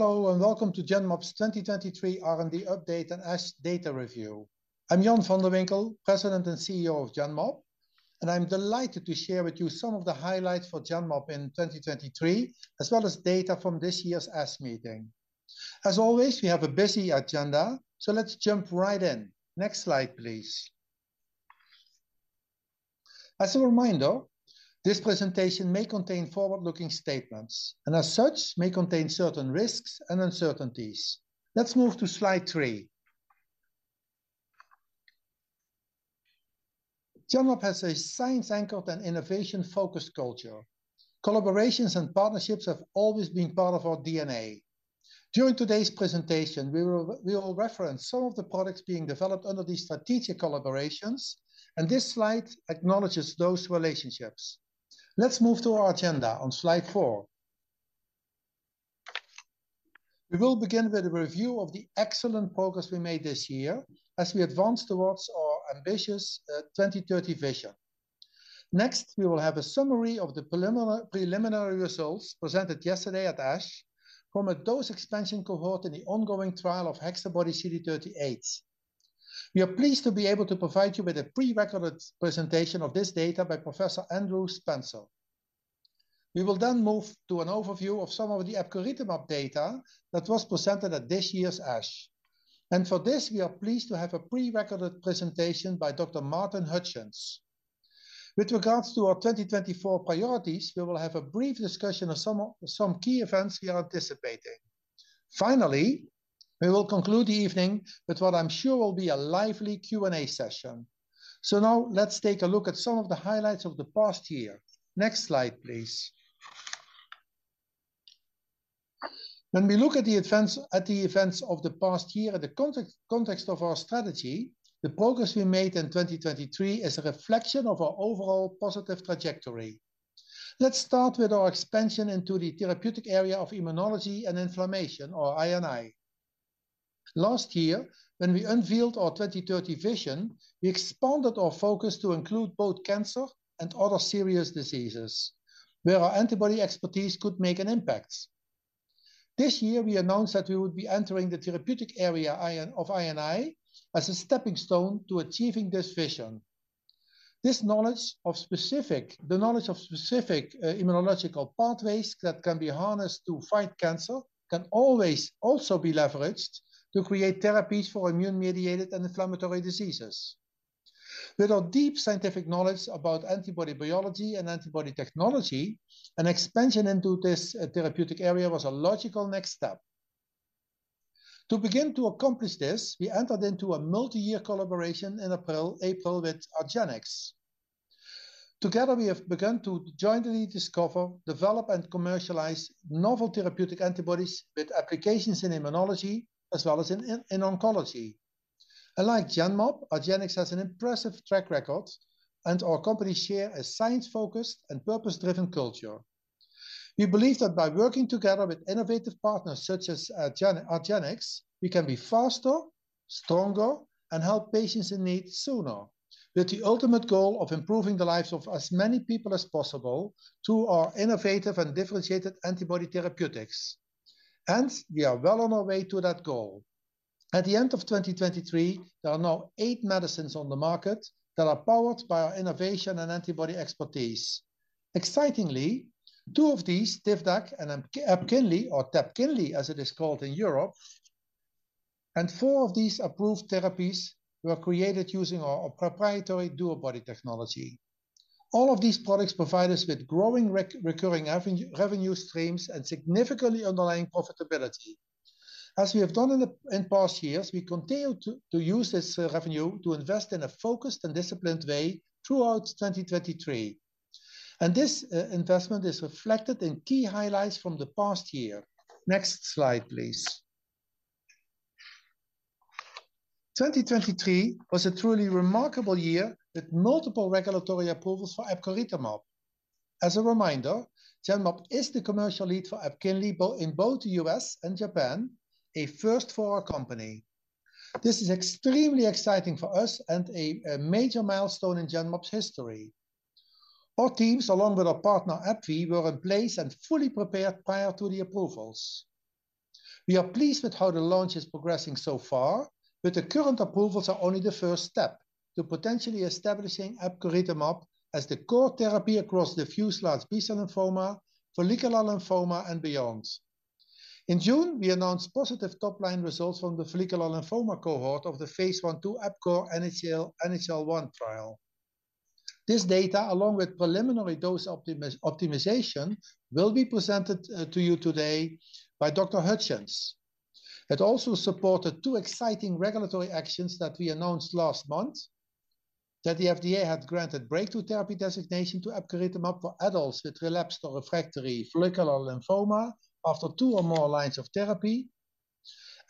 Hello, and welcome to Genmab's 2023 R&D update and ASH data review. I'm Jan van de Winkel, President and CEO of Genmab, and I'm delighted to share with you some of the highlights for Genmab in 2023, as well as data from this year's ASH meeting. As always, we have a busy agenda, so let's jump right in. Next slide, please. As a reminder, this presentation may contain forward-looking statements, and as such, may contain certain risks and uncertainties. Let's move to slide 3. Genmab has a science-anchored and innovation-focused culture. Collaborations and partnerships have always been part of our DNA. During today's presentation, we will, we will reference some of the products being developed under these strategic collaborations, and this slide acknowledges those relationships. Let's move to our agenda on slide 4. We will begin with a review of the excellent progress we made this year as we advance towards our ambitious 2030 vision. Next, we will have a summary of the preliminary results presented yesterday at ASH from a dose-expansion cohort in the ongoing trial of HexaBody-CD38. We are pleased to be able to provide you with a pre-recorded presentation of this data by Professor Andrew Spencer. We will then move to an overview of some of the epcoritamab data that was presented at this year's ASH, and for this, we are pleased to have a pre-recorded presentation by Dr. Martin Hutchings. With regards to our 2024 priorities, we will have a brief discussion of some key events we are anticipating. Finally, we will conclude the evening with what I'm sure will be a lively Q&A session. So now let's take a look at some of the highlights of the past year. Next slide, please. When we look at the events of the past year, in the context of our strategy, the progress we made in 2023 is a reflection of our overall positive trajectory. Let's start with our expansion into the therapeutic area of immunology and inflammation, or I&I. Last year, when we unveiled our 2030 vision, we expanded our focus to include both cancer and other serious diseases, where our antibody expertise could make an impact. This year, we announced that we would be entering the therapeutic area of I&I as a stepping stone to achieving this vision. This knowledge of specific immunological pathways that can be harnessed to fight cancer can always also be leveraged to create therapies for immune-mediated and inflammatory diseases. With our deep scientific knowledge about antibody biology and antibody technology, an expansion into this therapeutic area was a logical next step. To begin to accomplish this, we entered into a multi-year collaboration in April with argenx. Together, we have begun to jointly discover, develop, and commercialize novel therapeutic antibodies with applications in immunology as well as in oncology. Unlike Genmab, argenx has an impressive track record, and our companies share a science-focused and purpose-driven culture. We believe that by working together with innovative partners such as argenx, we can be faster, stronger, and help patients in need sooner, with the ultimate goal of improving the lives of as many people as possible through our innovative and differentiated antibody therapeutics, and we are well on our way to that goal. At the end of 2023, there are now eight medicines on the market that are powered by our innovation and antibody expertise. Excitingly, two of these, TIVDAK and EPKINLY, or TEPKINLY, as it is called in Europe, and four of these approved therapies were created using our proprietary DuoBody technology. All of these products provide us with growing recurring revenue streams and significantly underlying profitability. As we have done in the in past years, we continued to use this revenue to invest in a focused and disciplined way throughout 2023, and this investment is reflected in key highlights from the past year. Next slide, please. 2023 was a truly remarkable year with multiple regulatory approvals for epcoritamab. As a reminder, Genmab is the commercial lead for EPKINLY in both the U.S. and Japan, a first for our company. This is extremely exciting for us and a major milestone in Genmab's history. Our teams, along with our partner, AbbVie, were in place and fully prepared prior to the approvals. We are pleased with how the launch is progressing so far, but the current approvals are only the first step to potentially establishing epcoritamab as the core therapy across diffuse large B-cell lymphoma, follicular lymphoma, and beyond. In June, we announced positive top-line results from the follicular lymphoma cohort of the phase I phase II EPCORE NHL-1 trial. This data, along with preliminary dose optimization, will be presented to you today by Dr. Hutchings. It also supported two exciting regulatory actions that we announced last month: that the FDA had granted breakthrough therapy designation to epcoritamab for adults with relapsed or refractory follicular lymphoma after two or more lines of therapy,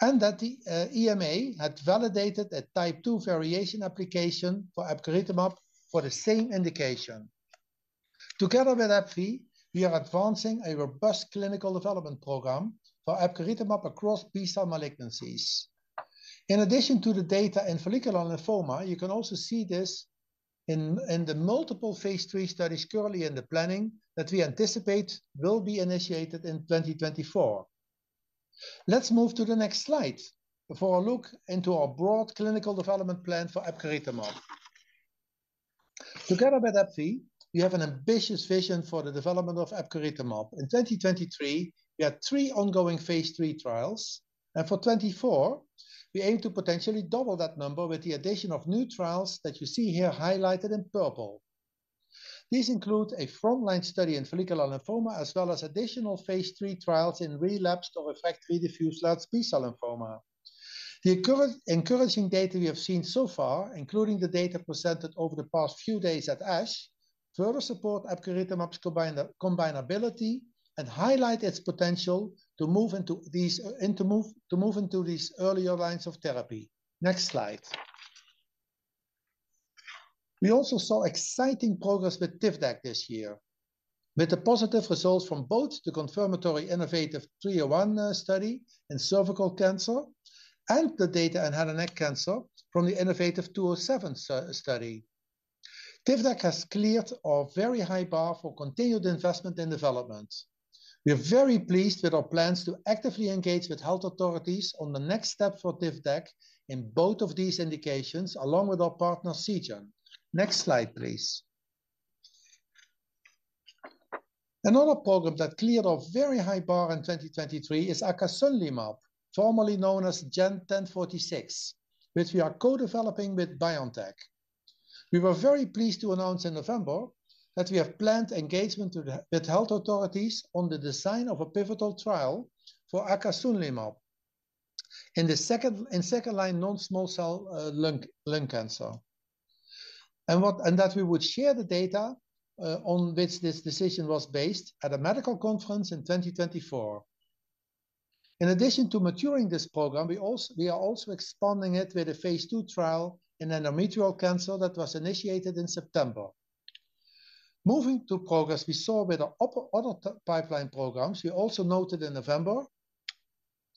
and that the EMA had validated a Type 2 variation application for epcoritamab for the same indication. Together with AbbVie, we are advancing a robust clinical development program for epcoritamab across B cell malignancies.... In addition to the data in follicular lymphoma, you can also see this in the multiple phase III studies currently in the planning that we anticipate will be initiated in 2024. Let's move to the next slide for a look into our broad clinical development plan for epcoritamab. Together with AbbVie, we have an ambitious vision for the development of epcoritamab. In 2023, we had three ongoing phase III trials, and for 2024, we aim to potentially double that number with the addition of new trials that you see here highlighted in purple. These include a frontline study in follicular lymphoma, as well as additional phase III trials in relapsed or refractory diffuse large B-cell lymphoma. The encouraging data we have seen so far, including the data presented over the past few days at ASH, further support epcoritamab's combinability and highlight its potential to move into these earlier lines of therapy. Next slide. We also saw exciting progress with TIVDAK this year, with the positive results from both the confirmatory innovaTV 301, uh, study in cervical cancer and the data in head and neck cancer from the innovaTV 207 study. TIVDAK has cleared our very high bar for continued investment and development. We are very pleased with our plans to actively engage with health authorities on the next step for TIVDAK in both of these indications, along with our partner Seagen. Next slide, please. Another program that cleared our very high bar in 2023 is acasunlimab, formerly known as GEN1046, which we are co-developing with BioNTech. We were very pleased to announce in November that we have planned engagement with the, with health authorities on the design of a pivotal trial for acasunlimab in the second... in second line non-small cell lung cancer, and that we would share the data on which this decision was based at a medical conference in 2024. In addition to maturing this program, we are also expanding it with a phase II trial in endometrial cancer that was initiated in September. Moving to progress we saw with our other pipeline programs, we also noted in November,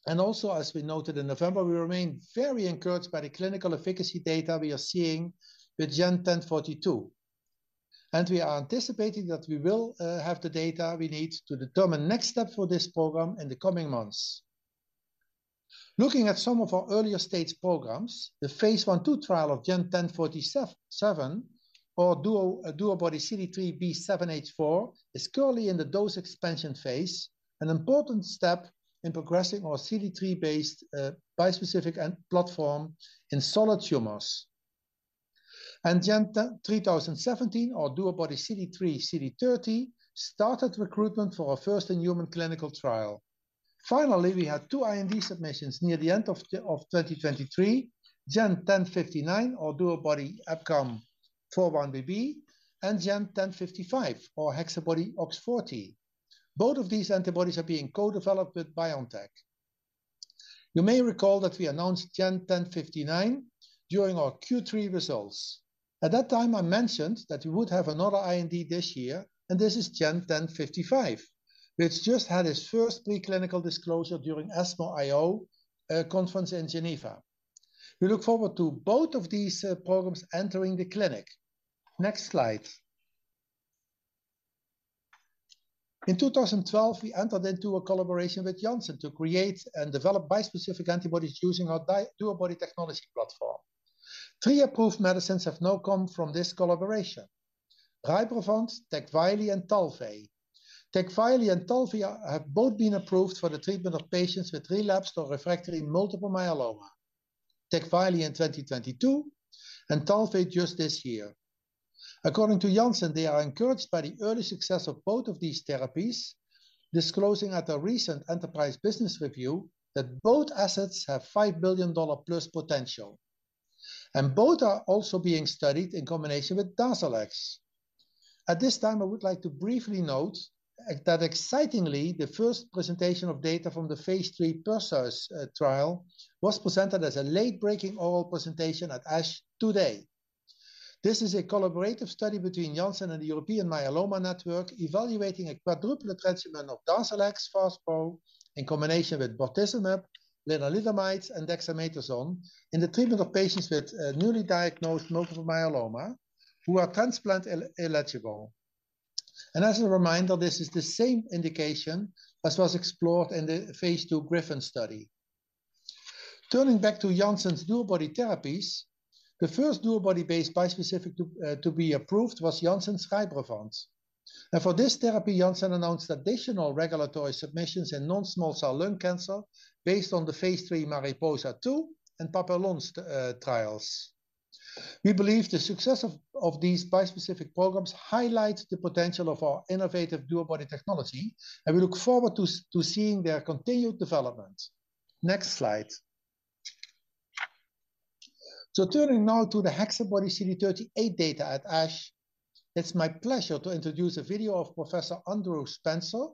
and also, as we noted in November, we remain very encouraged by the clinical efficacy data we are seeing with GEN1042, and we are anticipating that we will have the data we need to determine next step for this program in the coming months. Looking at some of our earlier-stage programs, the phase I phase II trial of GEN1047, or DuoBody-CD3xB7-H4, is currently in the dose expansion phase, an important step in progressing our CD3-based bispecific antibody platform in solid tumors. GEN3017, or DuoBody-CD3xCD30, started recruitment for our first-in-human clinical trial. Finally, we had two IND submissions near the end of 2023, GEN1059, or DuoBody-EpCAMx4-1BB, and GEN1055, or HexaBody-OX40. Both of these antibodies are being co-developed with BioNTech. You may recall that we announced GEN1059 during our Q3 results. At that time, I mentioned that we would have another IND this year, and this is GEN1055, which just had its first preclinical disclosure during ESMO IO conference in Geneva. We look forward to both of these programs entering the clinic. Next slide. In 2012, we entered into a collaboration with Janssen to create and develop bispecific antibodies using our DuoBody technology platform. Three approved medicines have now come from this collaboration: RYBREVANT, TECVAYLI, and TALVEY. TECVAYLI and TALVEY are, have both been approved for the treatment of patients with relapsed or refractory multiple myeloma. TECVAYLI in 2022, and TALVEY just this year. According to Janssen, they are encouraged by the early success of both of these therapies, disclosing at a recent enterprise business review that both assets have $5 billion-plus potential, and both are also being studied in combination with DARZALEX. At this time, I would like to briefly note that excitingly, the first presentation of data from the phase III PERSEUS trial was presented as a late-breaking oral presentation at ASH today. This is a collaborative study between Janssen and the European Myeloma Network, evaluating a quadruple treatment of DARZALEX FASPRO in combination with bortezomib, lenalidomide, and dexamethasone in the treatment of patients with newly diagnosed multiple myeloma who are transplant eligible. As a reminder, this is the same indication as was explored in the phase II GRIFFIN study. Turning back to Janssen's DuoBody therapies, the first DuoBody-based bispecific to be approved was Janssen's RYBREVANT, and for this therapy, Janssen announced additional regulatory submissions in non-small cell lung cancer based on the phase III MARIPOSA-2 and PAPILLON trials. We believe the success of these bispecific programs highlights the potential of our innovative DuoBody technology, and we look forward to seeing their continued development. Next slide. So turning now to the HexaBody-CD38 data at ASH, it's my pleasure to introduce a video of Professor Andrew Spencer.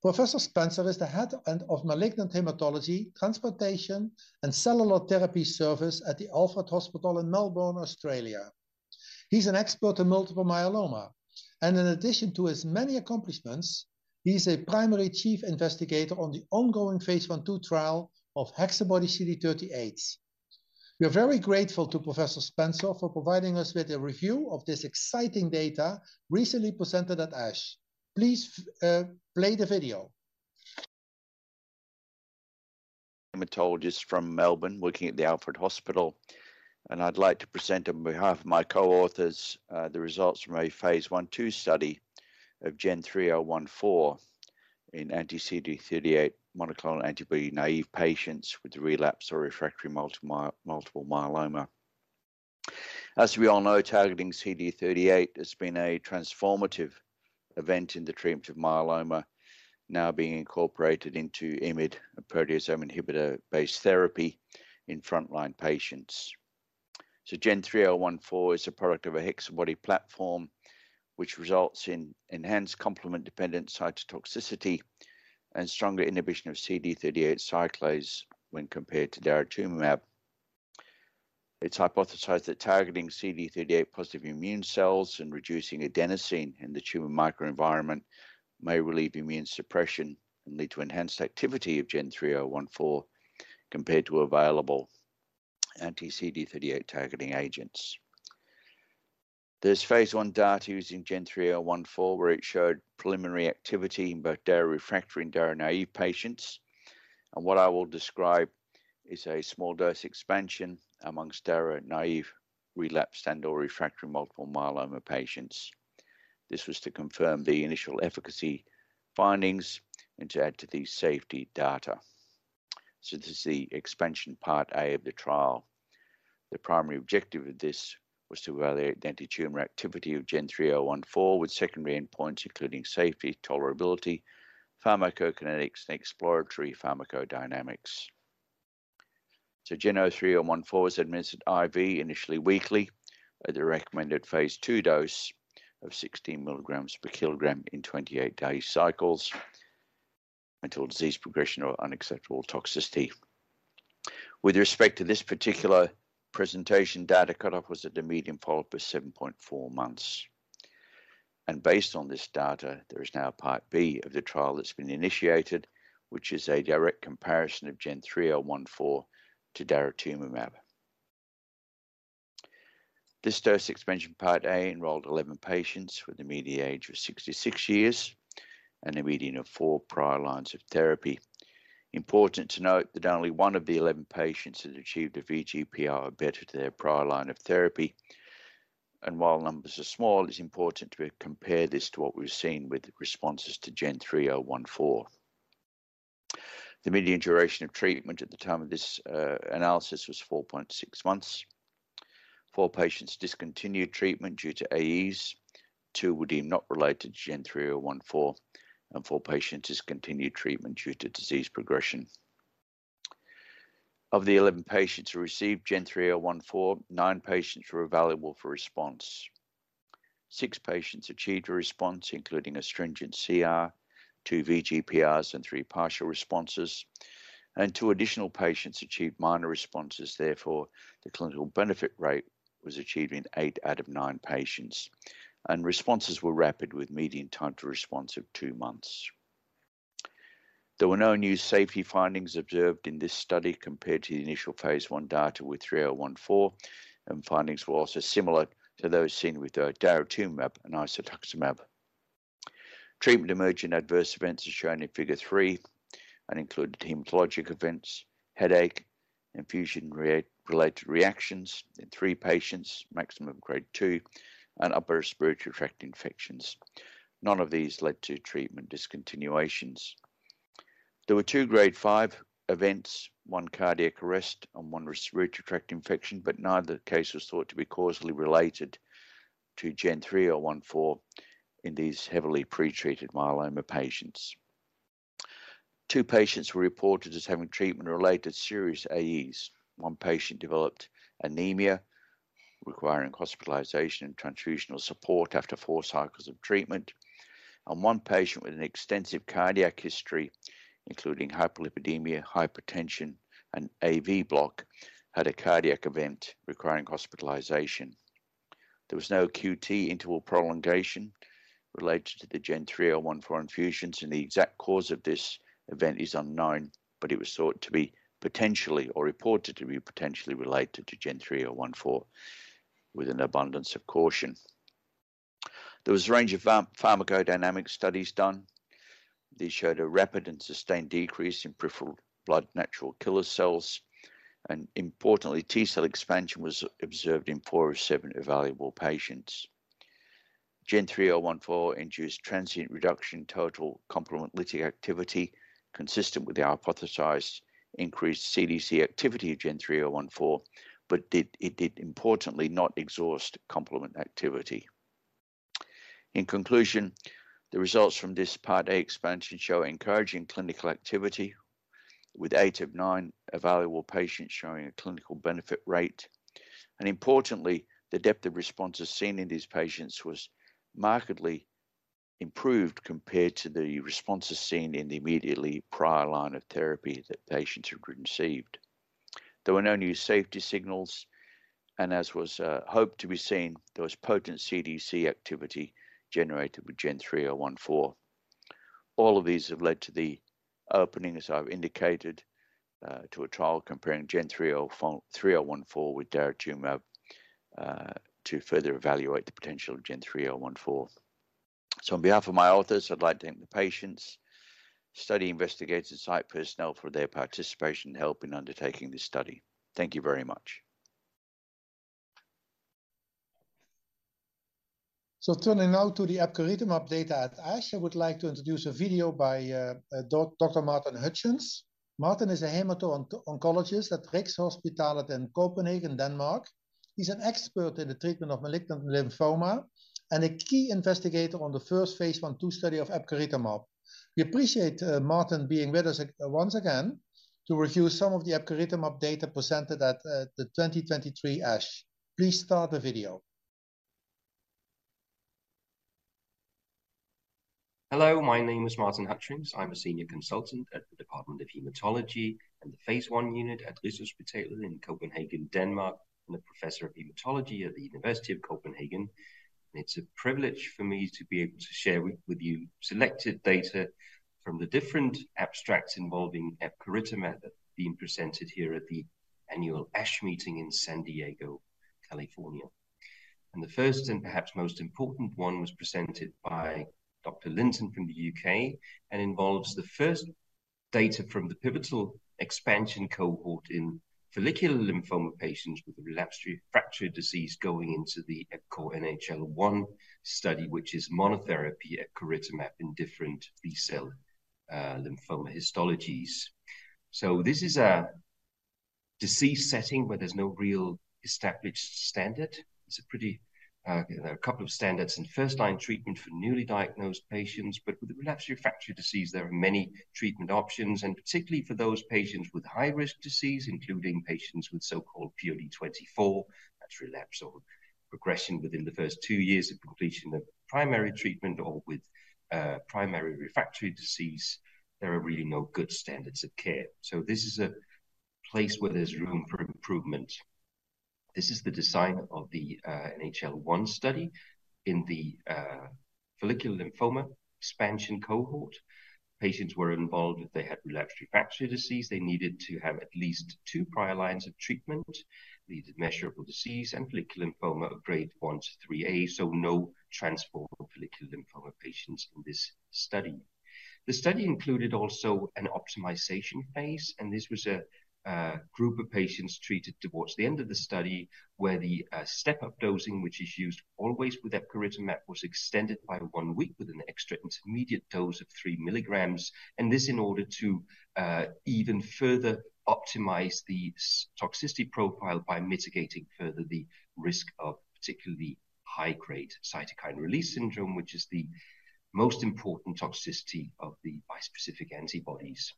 Professor Spencer is the head of Malignant Hematology, Transplantation, and Cellular Therapy Service at the Alfred Hospital in Melbourne, Australia. He's an expert in multiple myeloma, and in addition to his many accomplishments, he's a primary chief investigator on the ongoing phase I phase II trial of HexaBody-CD38. We are very grateful to Professor Spencer for providing us with a review of this exciting data recently presented at ASH. Please play the video. Hematologist from Melbourne, working at the Alfred Hospital, and I'd like to present on behalf of my co-authors, the results from a phase I phase II study of GEN3014 in anti-CD38 monoclonal antibody-naive patients with relapsed or refractory multiple myeloma. As we all know, targeting CD38 has been a transformative event in the treatment of myeloma, now being incorporated into IMiD, a proteasome inhibitor-based therapy in frontline patients. So GEN3014 is a product of a HexaBody platform, which results in enhanced complement-dependent cytotoxicity and stronger inhibition of CD38 cyclase when compared to daratumumab. It's hypothesized that targeting CD38 positive immune cells and reducing adenosine in the tumor microenvironment may relieve immune suppression and lead to enhanced activity of GEN3014 compared to available anti-CD38 targeting agents. There's phase I data using GEN3014, where it showed preliminary activity in both dara-refractory and dara-naive patients, and what I will describe is a small dose expansion among dara-naive, relapsed, and/or refractory multiple myeloma patients. This was to confirm the initial efficacy findings and to add to the safety data. So this is the expansion Part A of the trial. The primary objective of this was to evaluate the antitumor activity of GEN3014, with secondary endpoints including safety, tolerability, pharmacokinetics, and exploratory pharmacodynamics. So GEN3014 was administered IV, initially weekly, at the recommended phase II dose of 16 mg/kg in 28-day cycles, until disease progression or unacceptable toxicity. With respect to this particular presentation, data cutoff was at the median follow-up of 7.4 months, and based on this data, there is now Part B of the trial that's been initiated, which is a direct comparison of GEN3014 to daratumumab. This dose expansion, Part A, enrolled 11 patients with a median age of 66 years and a median of four prior lines of therapy. Important to note that only one of the 11 patients had achieved a VGPR or better to their prior line of therapy, and while numbers are small, it's important to compare this to what we've seen with responses to GEN3014. The median duration of treatment at the time of this analysis was 4.6 months. Four patients discontinued treatment due to AEs, two were deemed not related to GEN3014, and four patients discontinued treatment due to disease progression. Of the 11 patients who received GEN3014, nine patients were evaluable for response. Six patients achieved a response, including a stringent CR, two VGPRs, and three partial responses, and two additional patients achieved minor responses. Therefore, the clinical benefit rate was achieved in eight out of nine patients, and responses were rapid, with median time to response of two months. There were no new safety findings observed in this study compared to the initial phase I data with 3014, and findings were also similar to those seen with daratumumab and isatuximab. Treatment-emerging adverse events are shown in Figure 3 and included hematologic events, headache, infusion-related reactions in three patients, maximum Grade 2, and upper respiratory tract infections. None of these led to treatment discontinuations. There were 2 Grade five events, one cardiac arrest and one respiratory tract infection, but neither case was thought to be causally related to GEN3014 in these heavily pretreated myeloma patients. two patients were reported as having treatment-related serious AEs. One patient developed anemia, requiring hospitalization and transfusional support after four cycles of treatment, one patient with an extensive cardiac history, including hyperlipidemia, hypertension, and AV block, had a cardiac event requiring hospitalization. There was no QT interval prolongation related to the GEN3014 infusions, and the exact cause of this event is unknown, but it was thought to be potentially, or reported to be potentially related to GEN3014, with an abundance of caution. There was a range of pharmacodynamic studies done. These showed a rapid and sustained decrease in peripheral blood natural killer cells, and importantly, T cell expansion was observed in four of seven evaluable patients. GEN3014 induced transient reduction in total complement lytic activity, consistent with the hypothesized increased CDC activity of GEN3014, but it did importantly not exhaust complement activity. In conclusion, the results from this Part A expansion show encouraging clinical activity, with eight of nine evaluable patients showing a clinical benefit rate. Importantly, the depth of responses seen in these patients was markedly improved compared to the responses seen in the immediately prior line of therapy that patients had received. There were no new safety signals, and as was hoped to be seen, there was potent CDC activity generated with GEN3014. All of these have led to the opening, as I've indicated, to a trial comparing GEN3014 with daratumumab, to further evaluate the potential of GEN3014. On behalf of my authors, I'd like to thank the patients, study investigators, site personnel for their participation and help in undertaking this study. Thank you very much. So turning now to the epcoritamab data at ASH, I would like to introduce a video by Dr. Martin Hutchings. Martin is a hemato-oncologist at Rigshospitalet in Copenhagen, Denmark. He's an expert in the treatment of malignant lymphoma, and a key investigator on the first phase I phase II study of epcoritamab. We appreciate Martin being with us once again, to review some of the epcoritamab data presented at the 2023 ASH. Please start the video. Hello, my name is Martin Hutchings. I'm a senior consultant at the Department of Hematology and the phase I Unit at Rigshospitalet in Copenhagen, Denmark, and a professor of hematology at the University of Copenhagen. It's a privilege for me to be able to share with you selected data from the different abstracts involving epcoritamab that are being presented here at the annual ASH meeting in San Diego, California. The first, and perhaps most important one, was presented by Dr. Linton from the UK, and involves the first data from the pivotal expansion cohort in follicular lymphoma patients with a relapsed refractory disease going into the EPCORE NHL-1 study, which is monotherapy epcoritamab in different B-cell lymphoma histologies. This is a disease setting where there's no real established standard. It's a pretty, a couple of standards in first-line treatment for newly diagnosed patients, but with relapsed refractory disease, there are many treatment options, and particularly for those patients with high-risk disease, including patients with so-called POD24, that's relapse or progression within the first two years of completing the primary treatment or with primary refractory disease, there are really no good standards of care. So this is a place where there's room for improvement. This is the design of the NHL-1 study. In the follicular lymphoma expansion cohort, patients were involved if they had relapsed refractory disease, they needed to have at least two prior lines of treatment, they needed measurable disease and follicular lymphoma of grade 1-3A, so no transformed follicular lymphoma patients in this study. The study included also an optimization phase, and this was a group of patients treated towards the end of the study, where the step-up dosing, which is used always with epcoritamab, was extended by one week with an extra intermediate dose of 3 milligrams, and this in order to even further optimize the toxicity profile by mitigating further the risk of particularly high-grade cytokine release syndrome, which is the most important toxicity of the bispecific antibodies.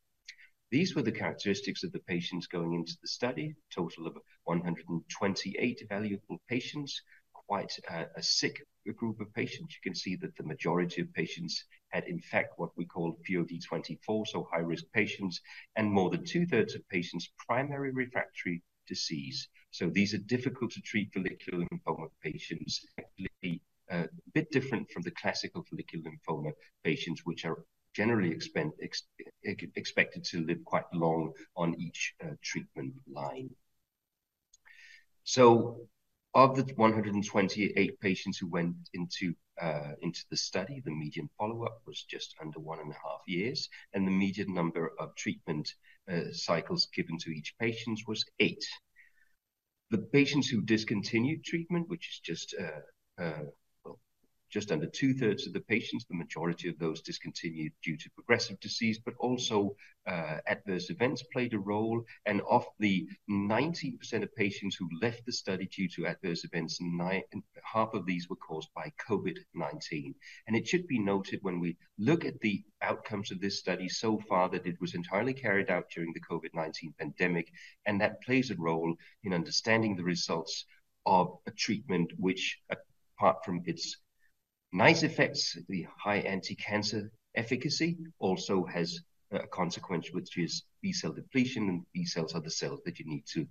These were the characteristics of the patients going into the study. Total of 128 evaluable patients, quite a sick group of patients. You can see that the majority of patients had, in fact, what we call POD24, so high-risk patients, and more than two-thirds of patients, primary refractory disease. So these are difficult to treat follicular lymphoma patients, actually, a bit different from the classical follicular lymphoma patients, which are generally expected to live quite long on each treatment line. So of the 128 patients who went into the study, the median follow-up was just under 1.5 years, and the median number of treatment cycles given to each patient was 8. The patients who discontinued treatment, which is just, well, just under 2/3 of the patients, the majority of those discontinued due to progressive disease, but also adverse events played a role. And of the 90% of patients who left the study due to adverse events, half of these were caused by COVID-19. It should be noted, when we look at the outcomes of this study so far, that it was entirely carried out during the COVID-19 pandemic, and that plays a role in understanding the results of a treatment, which, apart from its nice effects, the high anticancer efficacy, also has a consequence, which is B-cell depletion, and B-cells are the cells that you need to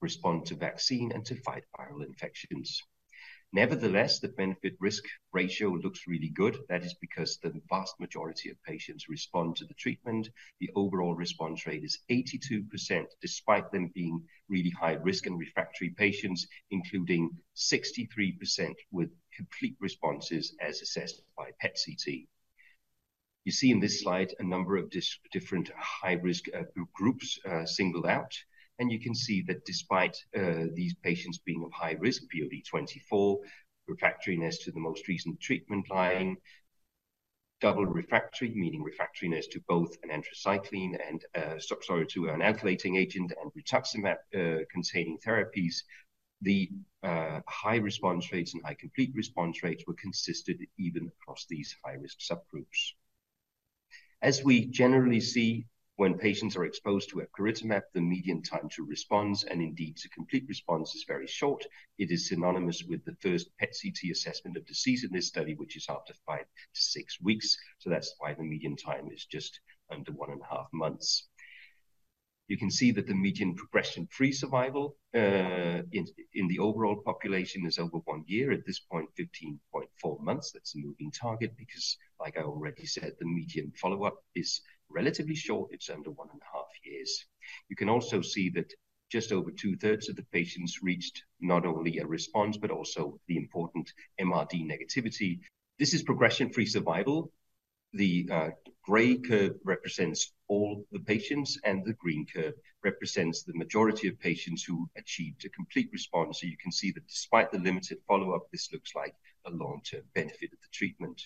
respond to vaccine and to fight viral infections. Nevertheless, the benefit-risk ratio looks really good. That is because the vast majority of patients respond to the treatment. The overall response rate is 82%, despite them being really high risk and refractory patients, including 63% with complete responses as assessed by PET-CT. You see in this slide a number of different high-risk groups singled out, and you can see that despite these patients being of high risk, POD24, refractoriness to the most recent treatment line, double refractory, meaning refractoriness to both an anthracycline and, sorry, to an alkylating agent and rituximab containing therapies, the high response rates and high complete response rates were consistent even across these high-risk subgroups. As we generally see, when patients are exposed to epcoritamab, the median time to response, and indeed to complete response, is very short. It is synonymous with the first PET-CT assessment of disease in this study, which is after 5-6 weeks. So that's why the median time is just under one and a half months. You can see that the median progression-free survival in the overall population is over one year. At this point, 15.4 months. That's a moving target because, like I already said, the median follow-up is relatively short. It's under one and a half years. You can also see that just over two-thirds of the patients reached not only a response, but also the important MRD negativity. This is progression-free survival. The gray curve represents all the patients, and the green curve represents the majority of patients who achieved a complete response. So you can see that despite the limited follow-up, this looks like a long-term benefit of the treatment.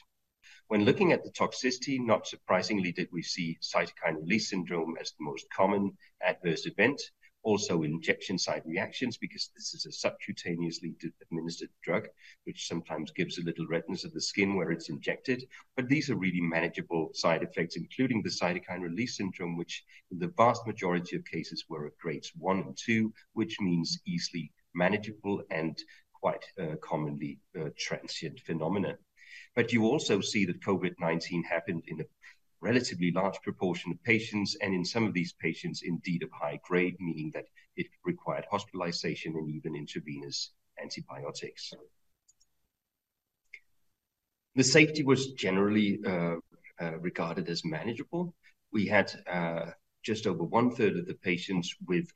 When looking at the toxicity, not surprisingly, did we see cytokine release syndrome as the most common adverse event. Also, injection site reactions, because this is a subcutaneously administered drug, which sometimes gives a little redness of the skin where it's injected. But these are really manageable side effects, including the cytokine release syndrome, which in the vast majority of cases were of grades one and two, which means easily manageable and quite, commonly, transient phenomena. But you also see that COVID-19 happened in a relatively large proportion of patients, and in some of these patients, indeed of high grade, meaning that it required hospitalization and even intravenous antibiotics. The safety was generally, regarded as manageable. We had, just over one-third of the patients with,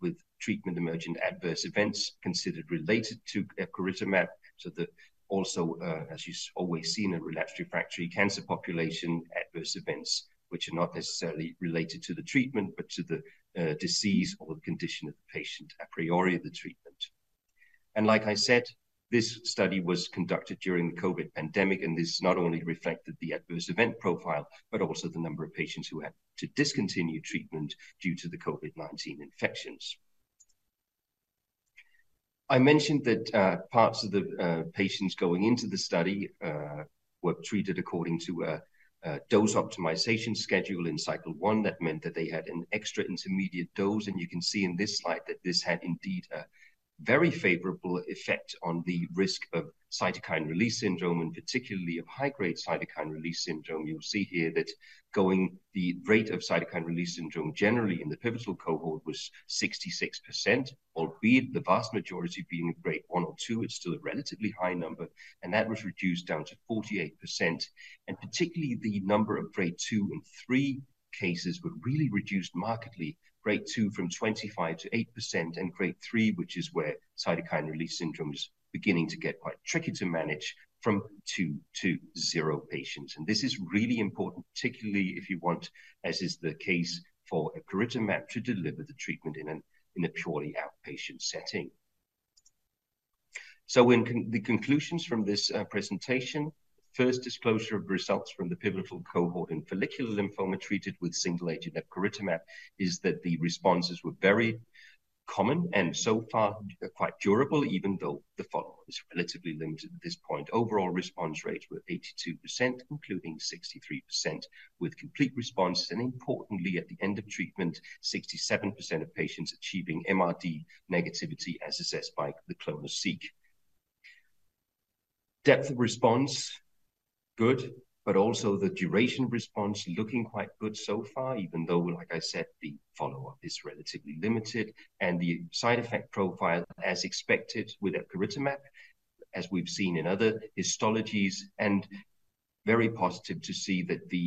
with treatment-emergent adverse events considered related to epcoritamab, so that also, as you always see in a relapsed refractory cancer population, adverse events, which are not necessarily related to the treatment, but to the, disease or the condition of the patient a priori of the treatment. Like I said, this study was conducted during the COVID pandemic, and this not only reflected the adverse event profile, but also the number of patients who had to discontinue treatment due to the COVID-19 infections. I mentioned that parts of the patients going into the study were treated according to a dose optimization schedule in cycle one. That meant that they had an extra intermediate dose, and you can see in this slide that this had indeed a very favorable effect on the risk of cytokine release syndrome, and particularly of high-grade cytokine release syndrome. You'll see here that the rate of cytokine release syndrome generally in the pivotal cohort was 66%, albeit the vast majority being a grade one or two, it's still a relatively high number, and that was reduced down to 48%. Particularly, the number of grade 2 and grade 3 cases were really reduced markedly, grade 2 from 25%-8%, and grade 3, which is where cytokine release syndrome is beginning to get quite tricky to manage, from two to zero patients. This is really important, particularly if you want, as is the case for epcoritamab, to deliver the treatment in a purely outpatient setting. The conclusions from this presentation, first disclosure of results from the pivotal cohort in follicular lymphoma treated with single-agent epcoritamab is that the responses were very common and so far, quite durable, even though the follow-up is relatively limited at this point. Overall response rates were 82%, including 63% with complete responses, and importantly, at the end of treatment, 67% of patients achieving MRD negativity, as assessed by the ClonoSEQ. Depth of response, good, but also the duration response looking quite good so far, even though, like I said, the follow-up is relatively limited and the side effect profile, as expected with epcoritamab, as we've seen in other histologies, and very positive to see that the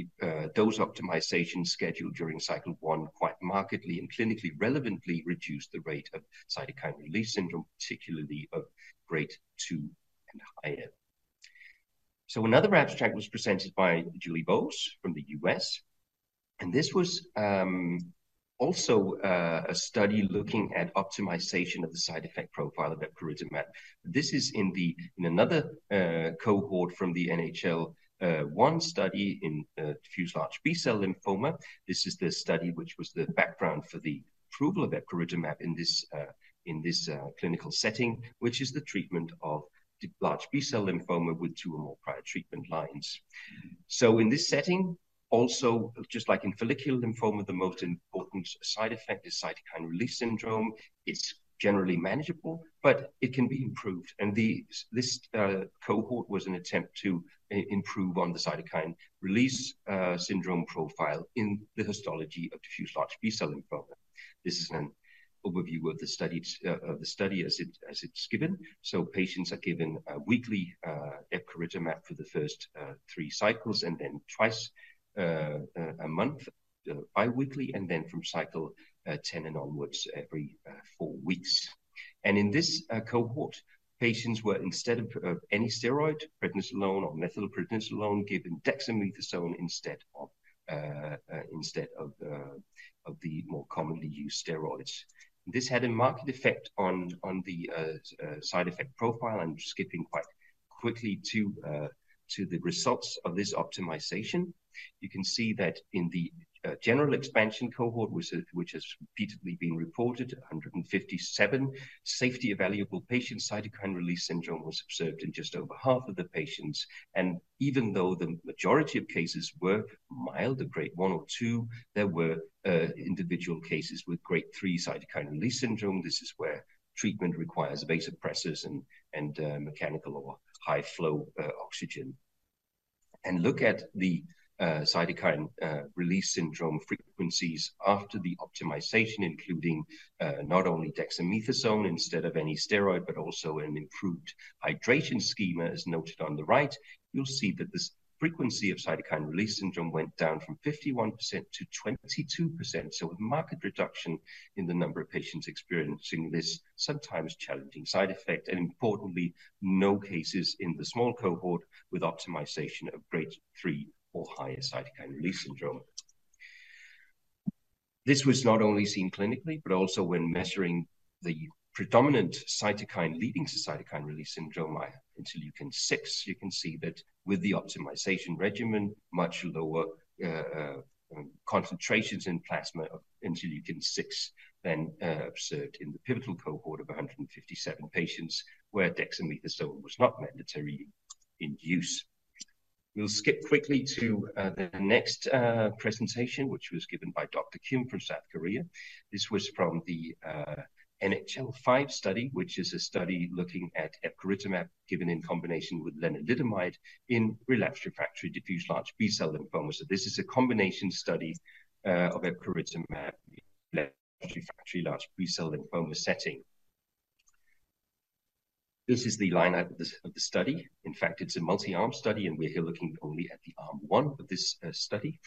dose optimization schedule during cycle one quite markedly and clinically relevantly reduced the rate of cytokine release syndrome, particularly of grade 2 and higher. So another abstract was presented by Julie Vose from the U.S., and this was also a study looking at optimization of the side effect profile of epcoritamab. This is in another cohort from the NHL-1 study in diffuse large B-cell lymphoma. This is the study which was the background for the approval of epcoritamab in this clinical setting, which is the treatment of large B-cell lymphoma with two or more prior treatment lines. So in this setting, also, just like in follicular lymphoma, the most important side effect is cytokine release syndrome. It's generally manageable, but it can be improved, and the cohort was an attempt to improve on the cytokine release syndrome profile in the histology of diffuse large B-cell lymphoma. This is an overview of the study as it's given. So patients are given a weekly epcoritamab for the first three cycles, and then twice a month bi-weekly, and then from cycle 10 and onwards, every four weeks. And in this cohort, patients were, instead of any steroid, prednisolone or methylprednisolone, given dexamethasone instead of the more commonly used steroids. This had a marked effect on the side effect profile. I'm skipping quite quickly to the results of this optimization. You can see that in the general expansion cohort, which has repeatedly been reported, 157 safety evaluable patients, cytokine release syndrome was observed in just over half of the patients, and even though the majority of cases were mild, a grade 1 or 2, there were individual cases with grade 3 cytokine release syndrome. This is where treatment requires vasopressors and mechanical or high flow oxygen. Look at the cytokine release syndrome frequencies after the optimization, including not only dexamethasone instead of any steroid, but also an improved hydration schema, as noted on the right. You'll see that this frequency of cytokine release syndrome went down from 51%-22%. So a marked reduction in the number of patients experiencing this sometimes challenging side effect, and importantly, no cases in the small cohort with optimization of grade 3 or higher cytokine release syndrome. This was not only seen clinically, but also when measuring the predominant cytokine leading to cytokine release syndrome, interleukin-6. You can see that with the optimization regimen, much lower concentrations in plasma of interleukin-6 than observed in the pivotal cohort of 157 patients, where dexamethasone was not mandatory in use. We'll skip quickly to the next presentation, which was given by Dr. Kim from South Korea. This was from the NHL-5 study, which is a study looking at epcoritamab given in combination with lenalidomide in relapsed refractory diffuse large B-cell lymphoma. So this is a combination study of epcoritamab, large B-cell lymphoma setting. This is the line-up of the study. In fact, it's a multi-arm study, and we're here looking only at the arm one of this study,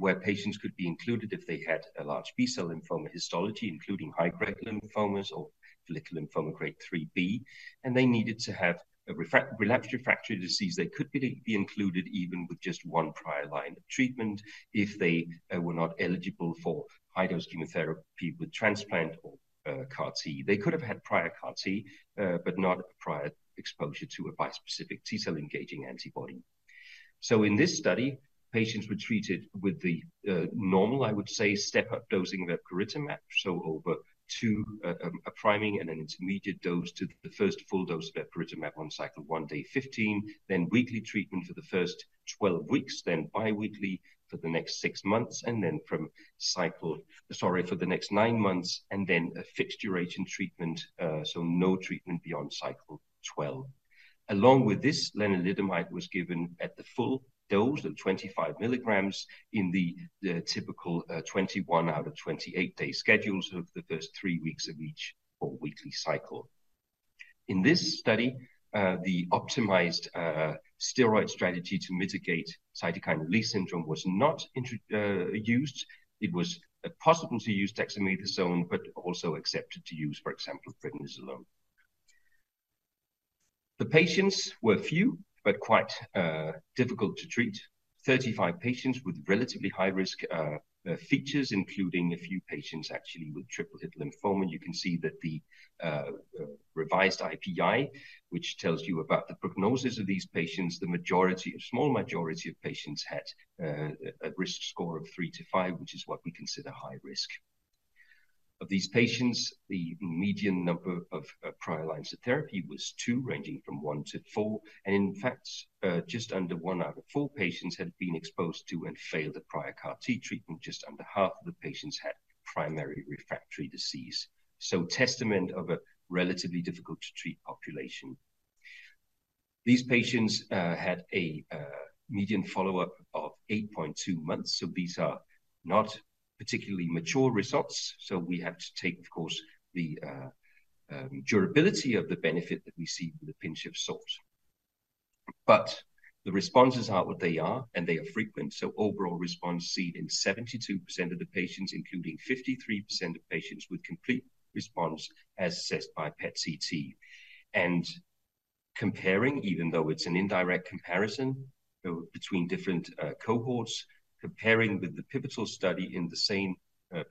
where patients could be included if they had a large B-cell lymphoma histology, including high-grade lymphomas or follicular lymphoma grade three B, and they needed to have a relapsed refractory disease. They could be included even with just one prior line of treatment, if they were not eligible for high-dose chemotherapy with transplant or CAR-T. They could have had prior CAR-T, but not prior exposure to a bispecific T-cell engaging antibody. So in this study, patients were treated with the normal, I would say, step-up dosing of epcoritamab. So a priming and an intermediate dose to the first full dose of epcoritamab on cycle one, day 15, then weekly treatment for the first 12 weeks, then bi-weekly for the next six months, and then from cycle—sorry, for the next nine months, and then a fixed duration treatment, so no treatment beyond cycle 12. Along with this, lenalidomide was given at the full dose of 25 milligrams in the typical 21 out of 28-day schedules of the first three weeks of each four-weekly cycle. In this study, the optimized steroid strategy to mitigate cytokine release syndrome was not used. It was possible to use dexamethasone, but also accepted to use, for example, prednisolone. The patients were few, but quite difficult to treat. 35 patients with relatively high risk features, including a few patients actually with triple-hit lymphoma. You can see that the revised IPI, which tells you about the prognosis of these patients, the majority, a small majority of patients had a risk score of three to five, which is what we consider high risk. Of these patients, the median number of prior lines of therapy was two, ranging from one to four, and in fact, just under one out of four patients had been exposed to and failed a prior CAR-T treatment. Just under half of the patients had primary refractory disease. So testament of a relatively difficult to treat population. These patients had a median follow-up of 8.2 months, so these are not particularly mature results. So we have to take, of course, the durability of the benefit that we see with a pinch of salt. But the responses are what they are, and they are frequent. So overall response seen in 72% of the patients, including 53% of patients with complete response as assessed by PET-CT. And comparing, even though it's an indirect comparison, between different cohorts, comparing with the pivotal study in the same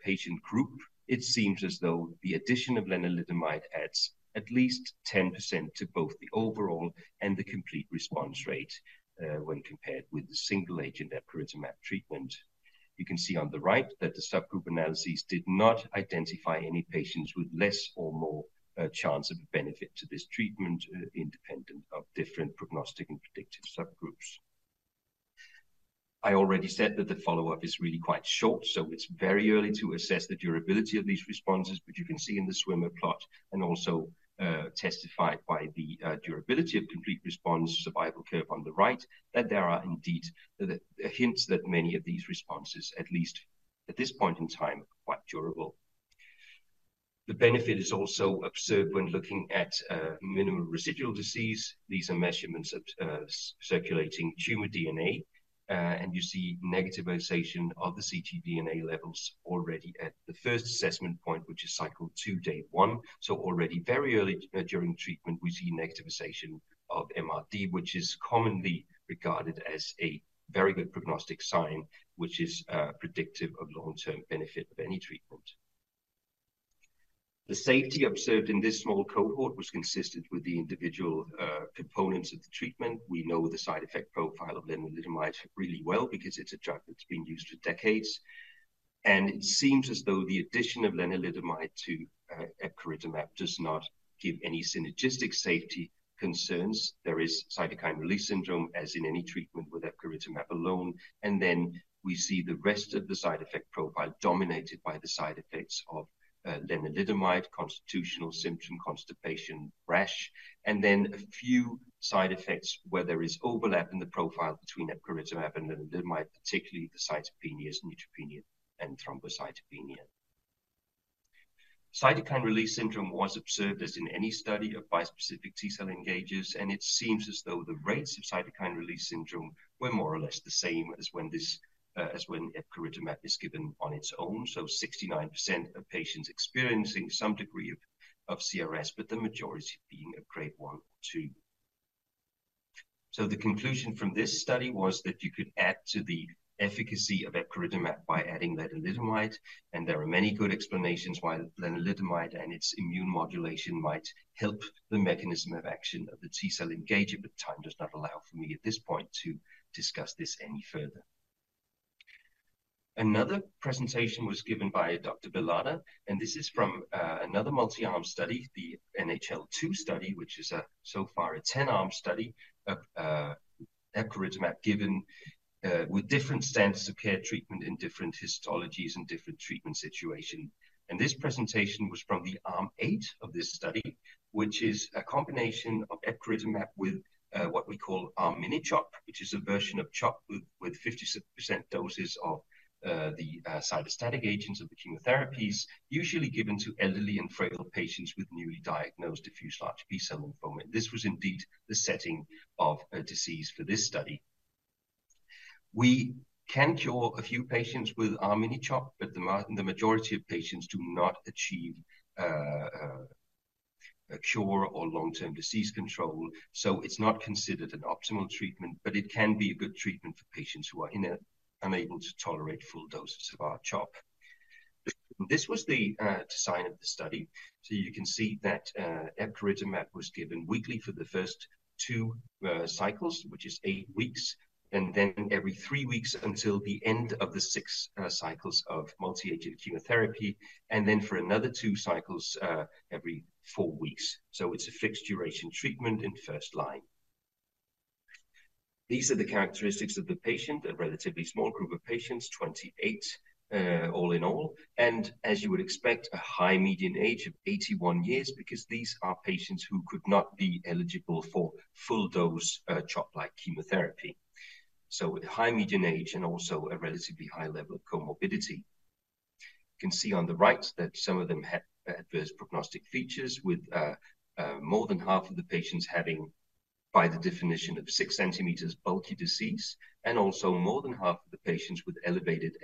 patient group, it seems as though the addition of lenalidomide adds at least 10% to both the overall and the complete response rate, when compared with the single-agent epcoritamab treatment. You can see on the right that the subgroup analyses did not identify any patients with less or more chance of benefit to this treatment, independent of different prognostic and predictive subgroups. I already said that the follow-up is really quite short, so it's very early to assess the durability of these responses, but you can see in the swimmer plot, and also testified by the durability of complete response survival curve on the right, that there are indeed hints that many of these responses, at least at this point in time, are quite durable. The benefit is also observed when looking at minimal residual disease. These are measurements of circulating tumor DNA, and you see negativization of the ctDNA levels already at the first assessment point, which is cycle two, day one. So already very early during treatment, we see negativization of MRD, which is commonly regarded as a very good prognostic sign, which is predictive of long-term benefit of any treatment. The safety observed in this small cohort was consistent with the individual components of the treatment. We know the side effect profile of lenalidomide really well because it's a drug that's been used for decades. And it seems as though the addition of lenalidomide to epcoritamab does not give any synergistic safety concerns. There is cytokine release syndrome, as in any treatment with epcoritamab alone. And then we see the rest of the side effect profile dominated by the side effects of lenalidomide, constitutional symptom, constipation, rash, and then a few side effects where there is overlap in the profile between epcoritamab and lenalidomide, particularly the cytopenias, neutropenia, and thrombocytopenia. Cytokine release syndrome was observed, as in any study of bispecific T-cell engagers, and it seems as though the rates of cytokine release syndrome were more or less the same as when this, as when epcoritamab is given on its own. So 69% of patients experiencing some degree of CRS, but the majority being a grade one or two. So the conclusion from this study was that you could add to the efficacy of epcoritamab by adding lenalidomide, and there are many good explanations why lenalidomide and its immune modulation might help the mechanism of action of the T-cell engager, but time does not allow for me at this point to discuss this any further. Another presentation was given by Dr. Belada, and this is from another multi-arm study, the NHL-2 study, which is so far a 10-arm study of epcoritamab given with different standards of care treatment in different histologies and different treatment situation. And this presentation was from the arm eight of this study, which is a combination of epcoritamab with what we call R-miniCHOP, which is a version of CHOP with 50% doses of the cytostatic agents of the chemotherapies, usually given to elderly and fragile patients with newly diagnosed diffuse large B-cell lymphoma. This was indeed the setting of a disease for this study. We can cure a few patients with R-miniCHOP, but the majority of patients do not achieve a cure or long-term disease control. So it's not considered an optimal treatment, but it can be a good treatment for patients who are unable to tolerate full doses of R-CHOP. This was the design of the study. So you can see that epcoritamab was given weekly for the first two cycles, which is eight weeks, and then every three weeks until the end of the six cycles of multi-agent chemotherapy, and then for another two cycles every four weeks. So it's a fixed-duration treatment in first-line. These are the characteristics of the patient, a relatively small group of patients, 28 all in all, and as you would expect, a high median age of 81 years, because these are patients who could not be eligible for full-dose CHOP-like chemotherapy. So a high median age and also a relatively high level of comorbidity. You can see on the right that some of them had adverse prognostic features, with more than half of the patients having, by the definition of 6 centimeters, bulky disease, and also more than half of the patients with elevated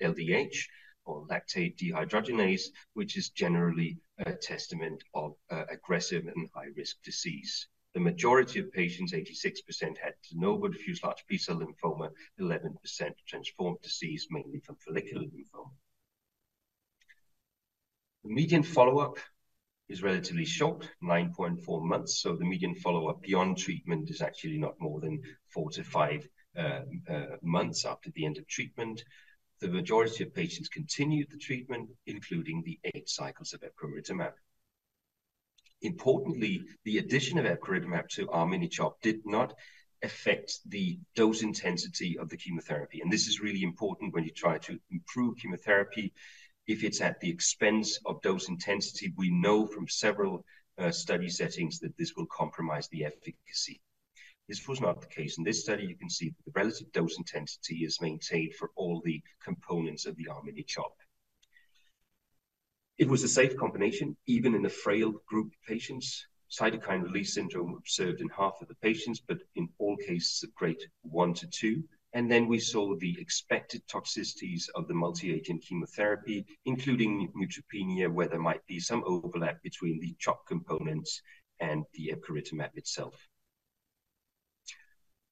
LDH, or lactate dehydrogenase, which is generally a testament of aggressive and high-risk disease. The majority of patients, 86%, had DLBCL, diffuse large B-cell lymphoma, 11% transformed disease, mainly from follicular lymphoma. The median follow-up is relatively short, 9.4 months, so the median follow-up beyond treatment is actually not more than four to five months after the end of treatment. The majority of patients continued the treatment, including the 8 cycles of epcoritamab. Importantly, the addition of epcoritamab to R-miniCHOP did not affect the dose intensity of the chemotherapy, and this is really important when you try to improve chemotherapy. If it's at the expense of dose intensity, we know from several study settings that this will compromise the efficacy. This was not the case. In this study, you can see the relative dose intensity is maintained for all the components of the R-miniCHOP. It was a safe combination, even in the frail group of patients. Cytokine release syndrome observed in half of the patients, but in all cases, a grade 1-2. And then we saw the expected toxicities of the multi-agent chemotherapy, including neutropenia, where there might be some overlap between the CHOP components and the epcoritamab itself.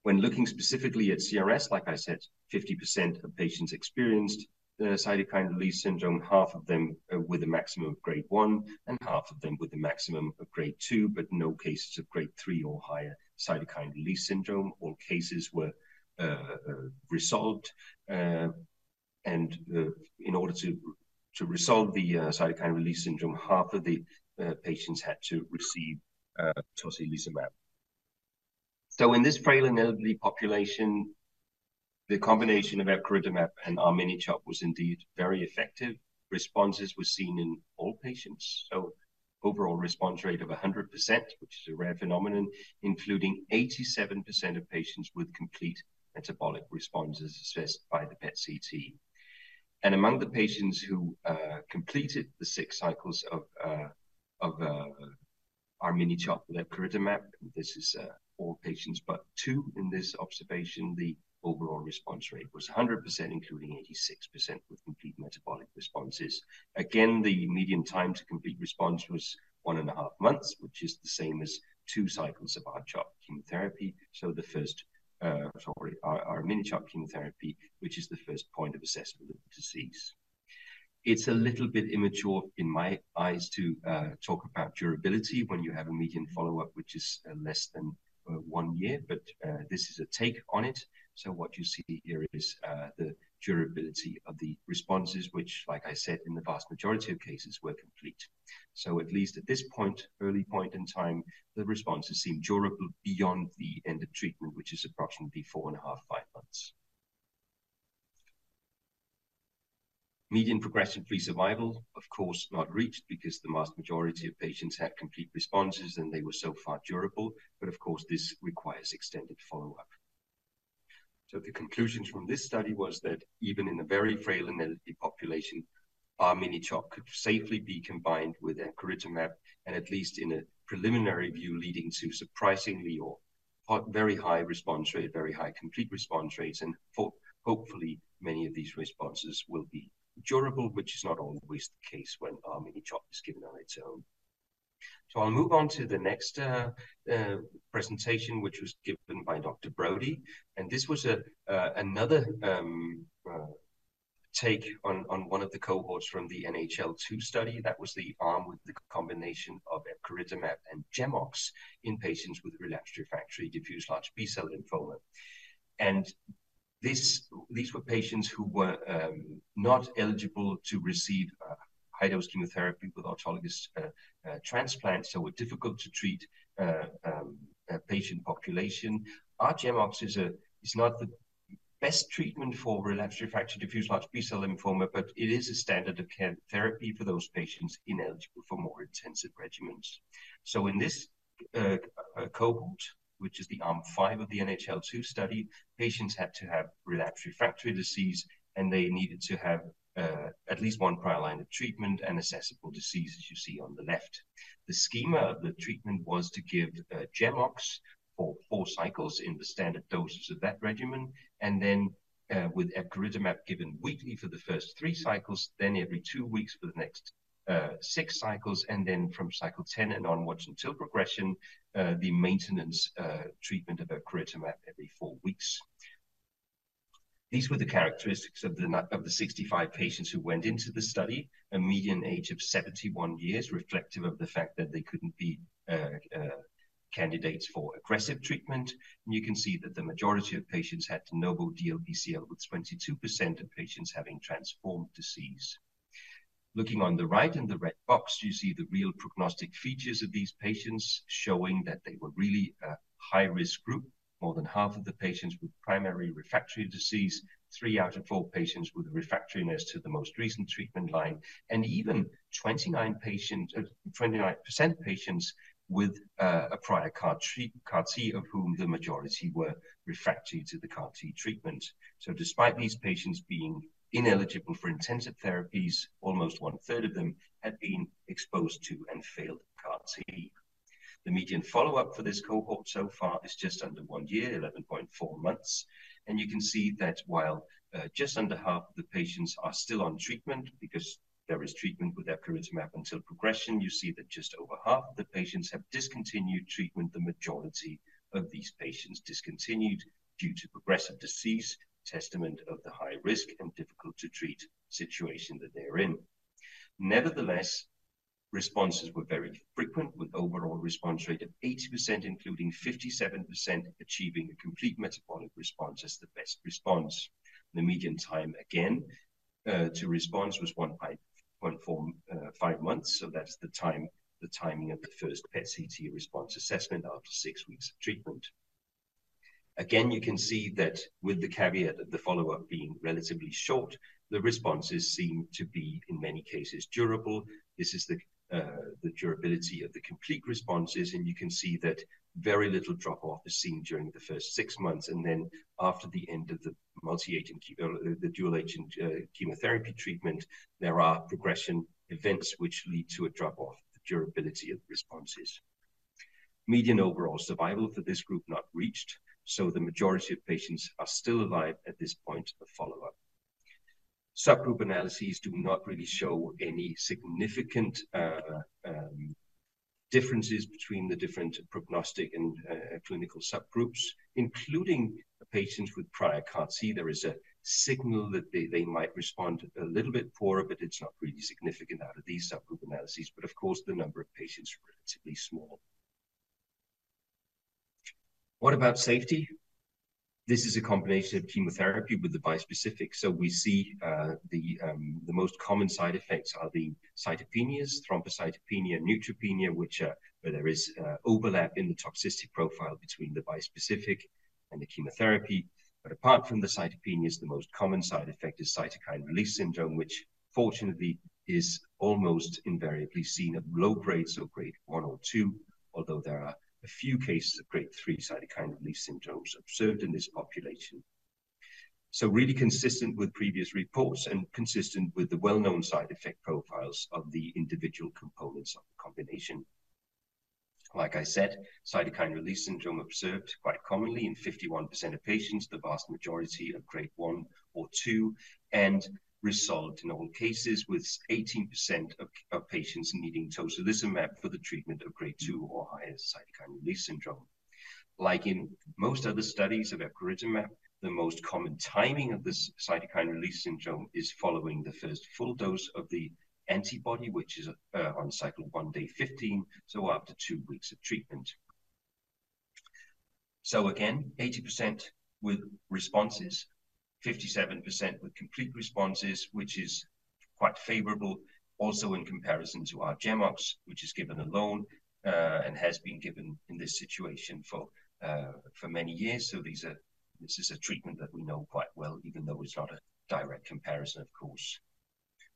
When looking specifically at CRS, like I said, 50% of patients experienced cytokine release syndrome, half of them with a maximum of grade 1 and half of them with a maximum of grade 2, but no cases of grade 3 or higher cytokine release syndrome. All cases were resolved. And in order to resolve the cytokine release syndrome, half of the patients had to receive tocilizumab. So in this frail and elderly population, the combination of epcoritamab and R-miniCHOP was indeed very effective. Responses were seen in all patients, so overall response rate of 100%, which is a rare phenomenon, including 87% of patients with complete metabolic responses assessed by the PET-CT. Among the patients who completed the six cycles of R-miniCHOP epcoritamab, this is all patients but two in this observation, the overall response rate was 100%, including 86% with complete metabolic responses. Again, the median time to complete response was one and a half months, which is the same as two cycles of R-CHOP chemotherapy. So the first R-miniCHOP chemotherapy, which is the first point of assessment of the disease. It's a little bit immature in my eyes to talk about durability when you have a median follow-up, which is less than one year, but this is a take on it. So what you see here is the durability of the responses, which, like I said, in the vast majority of cases, were complete. So at least at this point, early point in time, the responses seem durable beyond the end of treatment, which is approximately four and half-five months. Median progression-free survival, of course, not reached because the vast majority of patients had complete responses, and they were so far durable. But of course, this requires extended follow-up. So the conclusions from this study was that even in a very frail and elderly population, R-miniCHOP could safely be combined with epcoritamab, and at least in a preliminary view, leading to surprisingly or very high response rate, very high complete response rates. And hopefully, many of these responses will be durable, which is not always the case when R-miniCHOP is given on its own. So I'll move on to the next presentation, which was given by Dr. Brody. This was another take on one of the cohorts from the NHL-2 study. That was the arm with the combination of epcoritamab and GemOx in patients with relapsed refractory diffuse large B-cell lymphoma. These were patients who were not eligible to receive high-dose chemotherapy with autologous transplant, so a difficult to treat patient population. R-GemOx is not the best treatment for relapsed refractory diffuse large B-cell lymphoma, but it is a standard of care therapy for those patients ineligible for more intensive regimens. In this cohort, which is the arm 5 of the NHL-2 study, patients had to have relapsed refractory disease, and they needed to have at least one prior line of treatment and assessable disease, as you see on the left. The schema of the treatment was to give R-GemOx for four cycles in the standard doses of that regimen, and then, with epcoritamab given weekly for the first three cycles, then every two weeks for the next six cycles, and then from cycle 10 and onwards until progression, the maintenance treatment of epcoritamab every four weeks. These were the characteristics of the 65 patients who went into the study. A median age of 71 years, reflective of the fact that they couldn't be candidates for aggressive treatment. You can see that the majority of patients had de novo DLBCL, with 22% of patients having transformed disease. Looking on the right in the red box, you see the real prognostic features of these patients, showing that they were really a high-risk group. More than half of the patients with primary refractory disease, three out of four patients with refractoriness to the most recent treatment line, and even 29% of patients with a prior CAR-T, of whom the majority were refractory to the CAR-T treatment. So despite these patients being ineligible for intensive therapies, almost one-third of them had been exposed to and failed CAR-T. The median follow-up for this cohort so far is just under one year, 11.4 months. And you can see that while just under half of the patients are still on treatment, because there is treatment with epcoritamab until progression, you see that just over half of the patients have discontinued treatment. The majority of these patients discontinued due to progressive disease, testament of the high risk and difficult to treat situation that they're in. Nevertheless, responses were very frequent, with overall response rate of 80%, including 57% achieving a complete metabolic response as the best response. The median time again to response was 1.45 months. So that's the time, the timing of the first PET-CT response assessment after six weeks of treatment. Again, you can see that with the caveat of the follow-up being relatively short, the responses seem to be, in many cases, durable. This is the durability of the complete responses, and you can see that very little drop-off is seen during the first six months, and then after the end of the multi-agent chemo the dual agent chemotherapy treatment, there are progression events which lead to a drop-off, the durability of the responses. Median overall survival for this group not reached, so the majority of patients are still alive at this point of follow-up. Subgroup analyses do not really show any significant differences between the different prognostic and clinical subgroups, including the patients with prior CAR-T. There is a signal that they might respond a little bit poorer, but it's not really significant out of these subgroup analyses. But of course, the number of patients is relatively small. What about safety? This is a combination of chemotherapy with the bispecific. So we see the most common side effects are the cytopenias, thrombocytopenia, neutropenia, which are where there is overlap in the toxicity profile between the bispecific and the chemotherapy. But apart from the cytopenias, the most common side effect is cytokine release syndrome, which fortunately is almost invariably seen at low grade, so grade 1 or 2, although there are a few cases of grade 3 cytokine release syndromes observed in this population. So really consistent with previous reports and consistent with the well-known side effect profiles of the individual components of the combination. Like I said, cytokine release syndrome observed quite commonly in 51% of patients, the vast majority of grade 1 or 2, and resolved in all cases, with 18% of patients needing tocilizumab for the treatment of grade 2 or higher cytokine release syndrome. Like in most other studies of epcoritamab, the most common timing of this cytokine release syndrome is following the first full dose of the antibody, which is on cycle one, day 15, so after two weeks of treatment. So again, 80% with responses, 57% with complete responses, which is quite favorable, also in comparison to R-GemOx, which is given alone, and has been given in this situation for many years. So these are- this is a treatment that we know quite well, even though it's not a direct comparison, of course....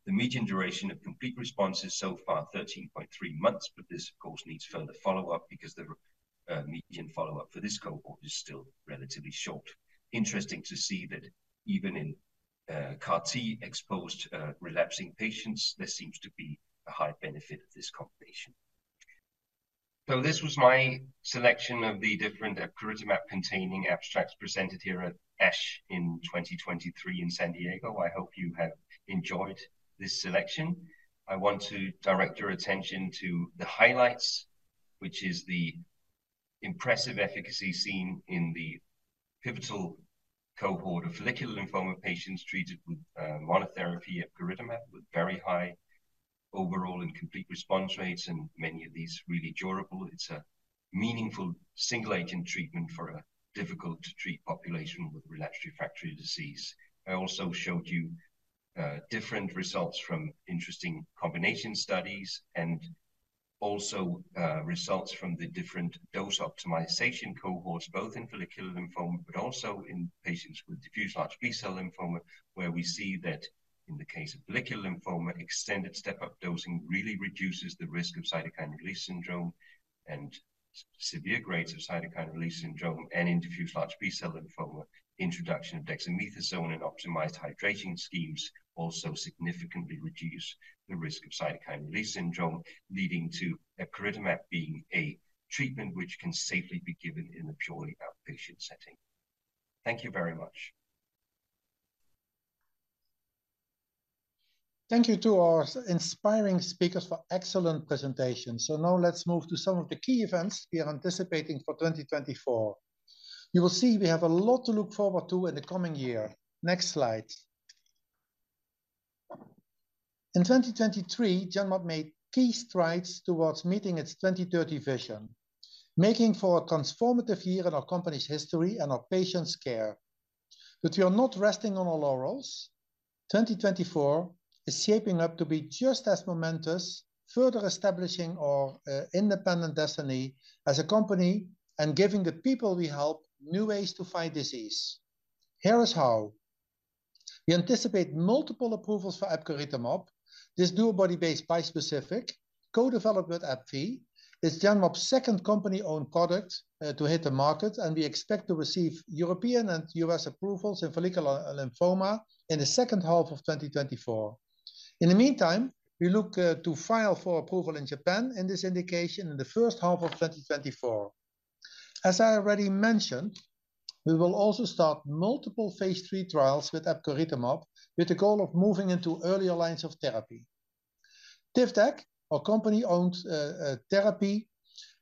The median duration of complete responses so far, 13.3 months, but this, of course, needs further follow-up because the median follow-up for this cohort is still relatively short. Interesting to see that even in CAR-T exposed, relapsing patients, there seems to be a high benefit of this combination. So this was my selection of the different epcoritamab containing abstracts presented here at ASH in 2023 in San Diego. I hope you have enjoyed this selection. I want to direct your attention to the highlights, which is the impressive efficacy seen in the pivotal cohort of follicular lymphoma patients treated with monotherapy epcoritamab, with very high overall and complete response rates, and many of these really durable. It's a meaningful single agent treatment for a difficult to treat population with relapsed refractory disease. I also showed you different results from interesting combination studies and also results from the different dose optimization cohorts, both in follicular lymphoma but also in patients with diffuse large B-cell lymphoma, where we see that in the case of follicular lymphoma, extended step-up dosing really reduces the risk of cytokine release syndrome and severe grades of cytokine release syndrome. In diffuse large B-cell lymphoma, introduction of dexamethasone and optimized hydrating schemes also significantly reduce the risk of cytokine release syndrome, leading to epcoritamab being a treatment which can safely be given in a purely outpatient setting. Thank you very much. Thank you to our inspiring speakers for excellent presentations. So now let's move to some of the key events we are anticipating for 2024. You will see we have a lot to look forward to in the coming year. Next slide. In 2023, Genmab made key strides towards meeting its 2030 vision, making for a transformative year in our company's history and our patients' care. But we are not resting on our laurels. 2024 is shaping up to be just as momentous, further establishing our independent destiny as a company and giving the people we help new ways to fight disease. Here is how: We anticipate multiple approvals for epcoritamab, this DuoBody-based bispecific co-developed with AbbVie, is Genmab's second company-owned product to hit the market, and we expect to receive European and U.S. approvals in follicular lymphoma in the second half of 2024. In the meantime, we look to file for approval in Japan in this indication in the first half of 2024. As I already mentioned, we will also start multiple phase III trials with epcoritamab, with the goal of moving into earlier lines of therapy. Tisotumab, our company-owned therapy,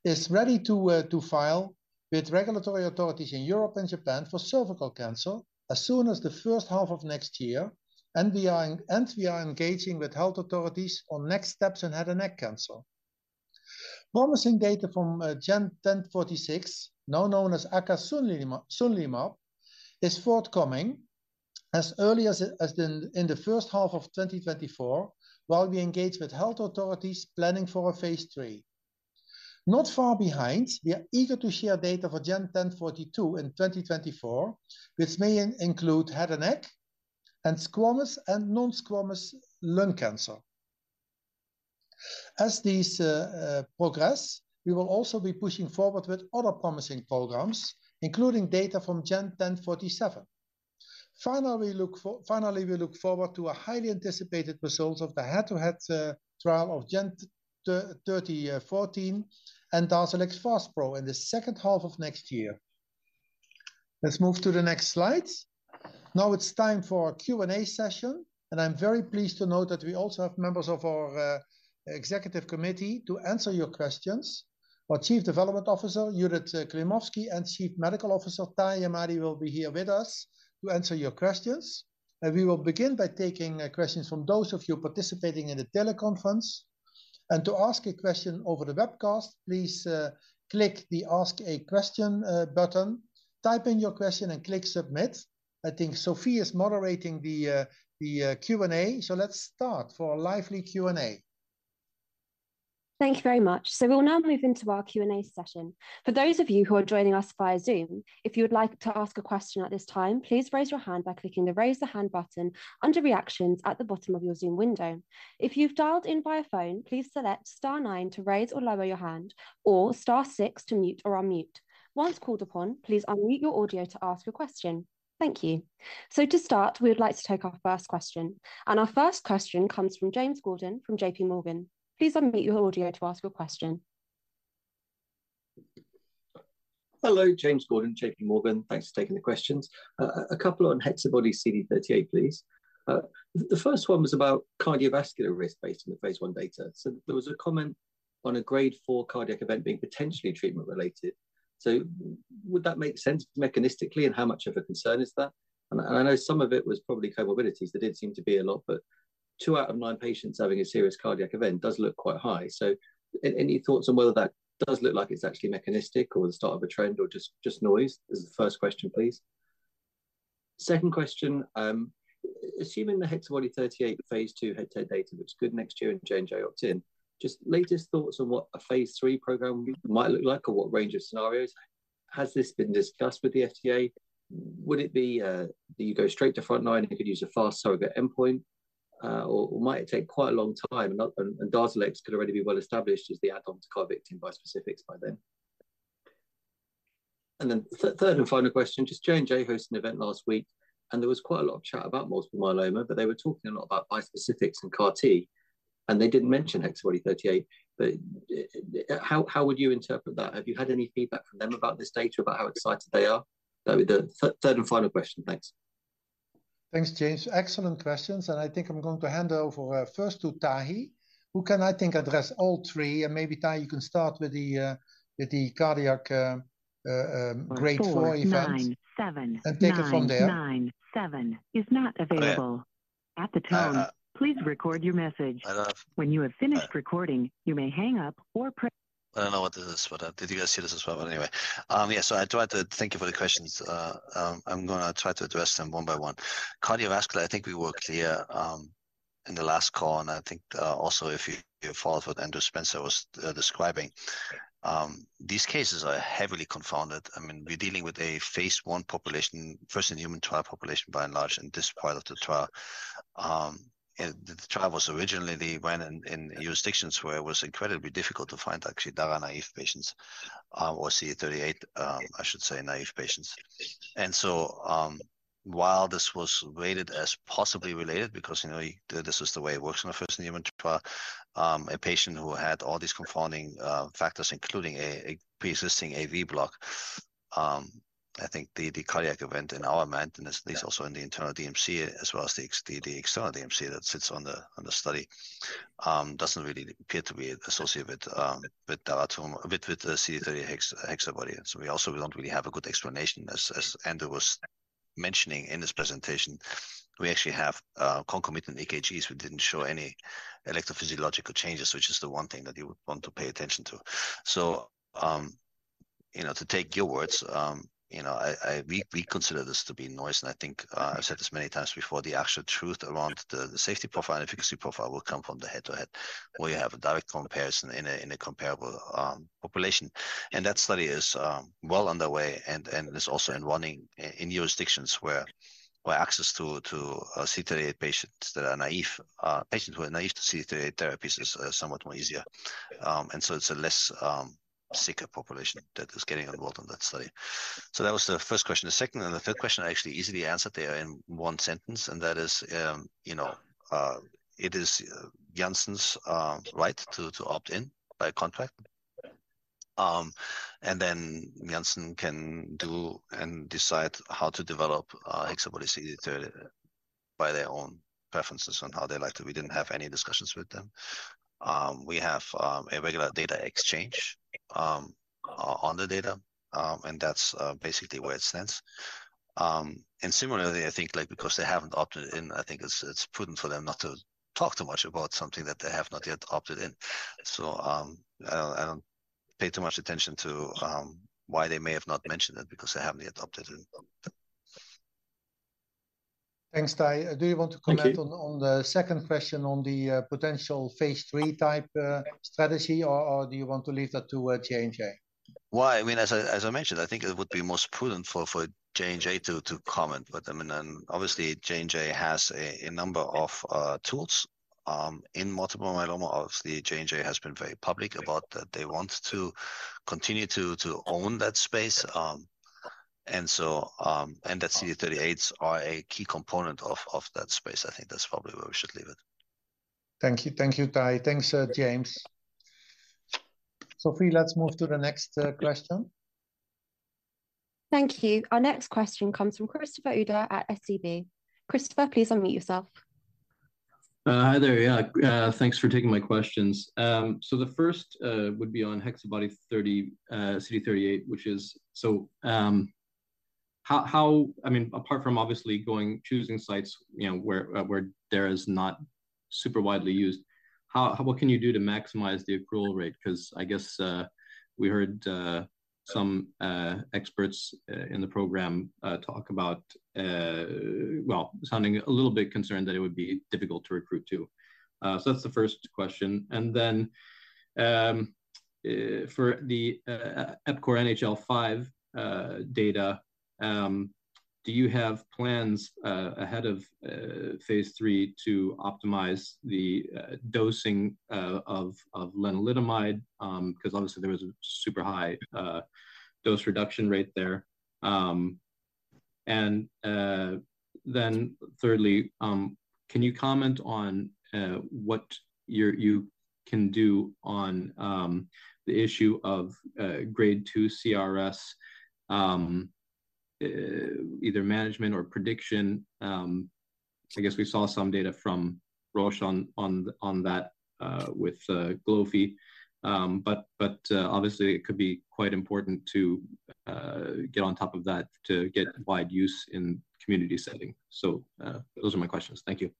is ready to file with regulatory authorities in Europe and Japan for cervical cancer as soon as the first half of next year, and we are engaging with health authorities on next steps in head and neck cancer. Promising data from GEN1046, now known as acasunlimab, is forthcoming as early as in the first half of 2024, while we engage with health authorities planning for a phase III. Not far behind, we are eager to share data for GEN1042 in 2024, which may include head and neck, and squamous and non-squamous lung cancer. As these progress, we will also be pushing forward with other promising programs, including data from GEN1047. Finally, we look forward to highly anticipated results of the head-to-head trial of GEN3014 and DARZALEX FASPRO in the second half of next year. Let's move to the next slide. Now it's time for our Q&A session, and I'm very pleased to note that we also have members of our executive committee to answer your questions. Our Chief Development Officer, Judith Klimovsky, and Chief Medical Officer, Tahamtan Ahmadi, will be here with us to answer your questions. We will begin by taking questions from those of you participating in the teleconference. To ask a question over the webcast, please click the Ask a Question button, type in your question and click Submit. I think Sophie is moderating the Q&A, so let's start for a lively Q&A. Thank you very much. So we'll now move into our Q&A session. For those of you who are joining us via Zoom, if you would like to ask a question at this time, please raise your hand by clicking the Raise the Hand button under Reactions at the bottom of your Zoom window. If you've dialed in via phone, please select star nine to raise or lower your hand, or star six to mute or unmute. Once called upon, please unmute your audio to ask your question. Thank you. So to start, we would like to take our first question, and our first question comes from James Gordon, from JP Morgan. Please unmute your audio to ask your question. Hello, James Gordon, JP Morgan. Thanks for taking the questions. A couple on HexaBody-CD38, please. The first one was about cardiovascular risk based on the phase I data. So there was a comment on a grade 4 cardiac event being potentially treatment-related. So would that make sense mechanistically, and how much of a concern is that? And I know some of it was probably comorbidities. There did seem to be a lot, but two out of nine patients having a serious cardiac event does look quite high. So any thoughts on whether that does look like it's actually mechanistic or the start of a trend or just noise? This is the first question, please. Second question. Assuming the HexaBody-CD38 phase II head-to-head data looks good next year in J&J opt in, just latest thoughts on what a phase III program would be, might look like, or what range of scenarios? Has this been discussed with the FDA? Would it be that you go straight to front line, you could use a fast surrogate endpoint, or might it take quite a long time and DARZALEX could already be well established as the add-on to CARVYKTI bispecifics by then? And then third and final question, just J&J hosted an event last week, and there was quite a lot of chat about multiple myeloma, but they were talking a lot about bispecifics and CAR-T, and they didn't mention HexaBody-CD38. But how would you interpret that? Have you had any feedback from them about this data, about how excited they are? That would be the third and final question. Thanks. Thanks, James. Excellent questions, and I think I'm going to hand over first to Tahi, who can, I think, address all three. And maybe, Tahi, you can start with the cardiac grade four event- [Interruption]. and take it from there. [Interruption]. Okay. Uh- [Interruption]. I don't know if- [Interruption]. I don't know what this is, but did you guys see this as well? But anyway, I tried to thank you for the questions. I'm gonna try to address them one by one. Cardiovascular, I think we were clear in the last call, and I think also, if you followed what Andrew Spencer was describing. These cases are heavily confounded. I mean, we're dealing with a phase I population, first-in-human trial population, by and large, in this part of the trial. And the trial was originally ran in jurisdictions where it was incredibly difficult to find actually dara-naïve patients, or CD38, I should say, naïve patients. While this was rated as possibly related, because, you know, this is the way it works in the first human trial, a patient who had all these confounding factors, including a pre-existing AV block, I think the cardiac event in our mind, and at least also in the internal DMC, as well as the external DMC that sits on the study, doesn't really appear to be associated with daratumumab with the GEN3014 HexaBody. We also don't really have a good explanation. As Andrew was mentioning in his presentation, we actually have concomitant EKGs, which didn't show any electrophysiological changes, which is the one thing that you would want to pay attention to. So, you know, to take your words, you know, we consider this to be noise, and I think, I've said this many times before, the actual truth around the safety profile and efficacy profile will come from the head-to-head, where you have a direct comparison in a comparable population. And that study is well underway and is also running in jurisdictions where access to CD38 patients that are naïve, patients who are naïve to CD38 therapies is somewhat more easier. And so it's a less sicker population that is getting involved in that study. So that was the first question. The second and the third question are actually easily answered there in one sentence, and that is, you know, it is Janssen's right to opt in by contract. And then Janssen can do and decide how to develop HexaBody-CD38 by their own preferences on how they'd like to. We didn't have any discussions with them. We have a regular data exchange on the data, and that's basically where it stands. And similarly, I think, like, because they haven't opted in, I think it's prudent for them not to talk too much about something that they have not yet opted in. So, I don't pay too much attention to why they may have not mentioned it, because they haven't yet opted in. Thanks, Tahi. Thank you. Do you want to comment on, on the second question, on the potential phase III type strategy, or, or do you want to leave that to J&J? Well, I mean, as I mentioned, I think it would be most prudent for J&J to comment. But I mean, and obviously, J&J has a number of tools in multiple myeloma. Obviously, J&J has been very public about that. They want to continue to own that space. And so, and that CD38s are a key component of that space. I think that's probably where we should leave it. Thank you. Thank you, Tahi. Thanks, James. Sophie, let's move to the next question. Thank you. Our next question comes from Christopher Uhde at SEB. Christopher, please unmute yourself. Hi there. Yeah, thanks for taking my questions. So the first would be on HexaBody-CD38, which is... So, how, how, I mean, apart from obviously going, choosing sites, you know, where, where there is not super widely used, how, what can you do to maximize the approval rate? Because I guess, we heard, some experts in the program talk about, well, sounding a little bit concerned that it would be difficult to recruit to. So that's the first question. And then, for the EPCORE NHL-5 data, do you have plans ahead of phase III to optimize the dosing of lenalidomide? Because obviously there was a super high dose reduction rate there. And then thirdly, can you comment on what you're—you can do on the issue of grade two CRS, either management or prediction? I guess we saw some data from Roche on that with Glofi. But obviously, it could be quite important to get on top of that to get wide use in community setting. So, those are my questions. Thank you.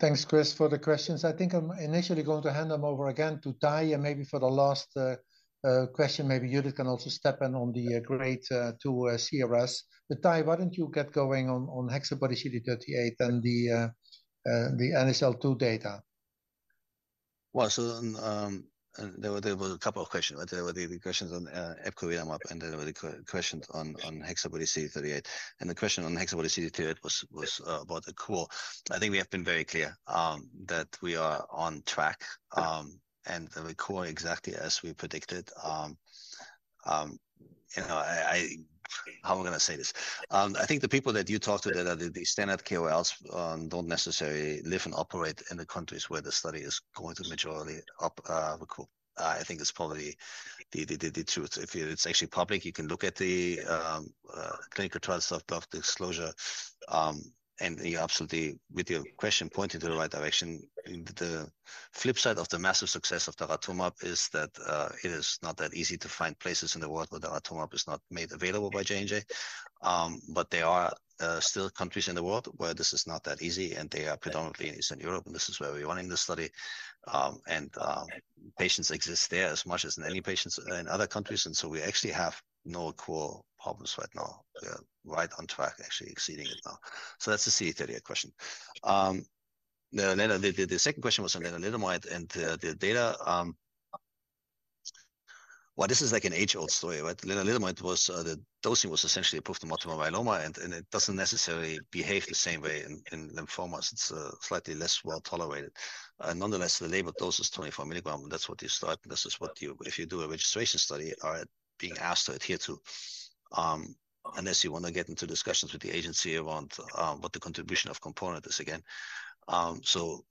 Thanks, Chris, for the questions. I think I'm initially going to hand them over again to Tahi, and maybe for the last question, maybe Judith can also step in on the grade 2 CRS. But Tahi, why don't you get going on HexaBody-CD38 and the NHL-2 data? Well, there were a couple of questions, right? There were the questions on EPCORE and then there were the questions on HexaBody-CD38. The question on HexaBody-CD38 was about the core. I think we have been very clear that we are on track, and the core exactly as we predicted. You know, I, how am I gonna say this? I think the people that you talk to that are the standard KOLs don't necessarily live and operate in the countries where the study is going to majority accrue. I think it's probably the truth. If it's actually public, you can look at the clinical trials of the disclosure. You absolutely, with your question, pointed to the right direction. The flip side of the massive success of daratumumab is that, it is not that easy to find places in the world where daratumumab is not made available by J&J. But there are still countries in the world where this is not that easy, and they are predominantly in Eastern Europe, and this is where we're running the study. And, patients exist there as much as in any patients in other countries, and so we actually have no core problems right now. We're right on track, actually exceeding it now. So that's the CD38 question. Then, the second question was on lenalidomide and the data. Well, this is like an age-old story, right? Lenalidomide was, the dosing was essentially approved to multiple myeloma, and, and it doesn't necessarily behave the same way in, in lymphomas. It's slightly less well-tolerated. Nonetheless, the label dose is 24 milligram, that's what you start, and this is what you, if you do a registration study, are being asked to adhere to. Unless you wanna get into discussions with the agency around what the contribution of component is again. So,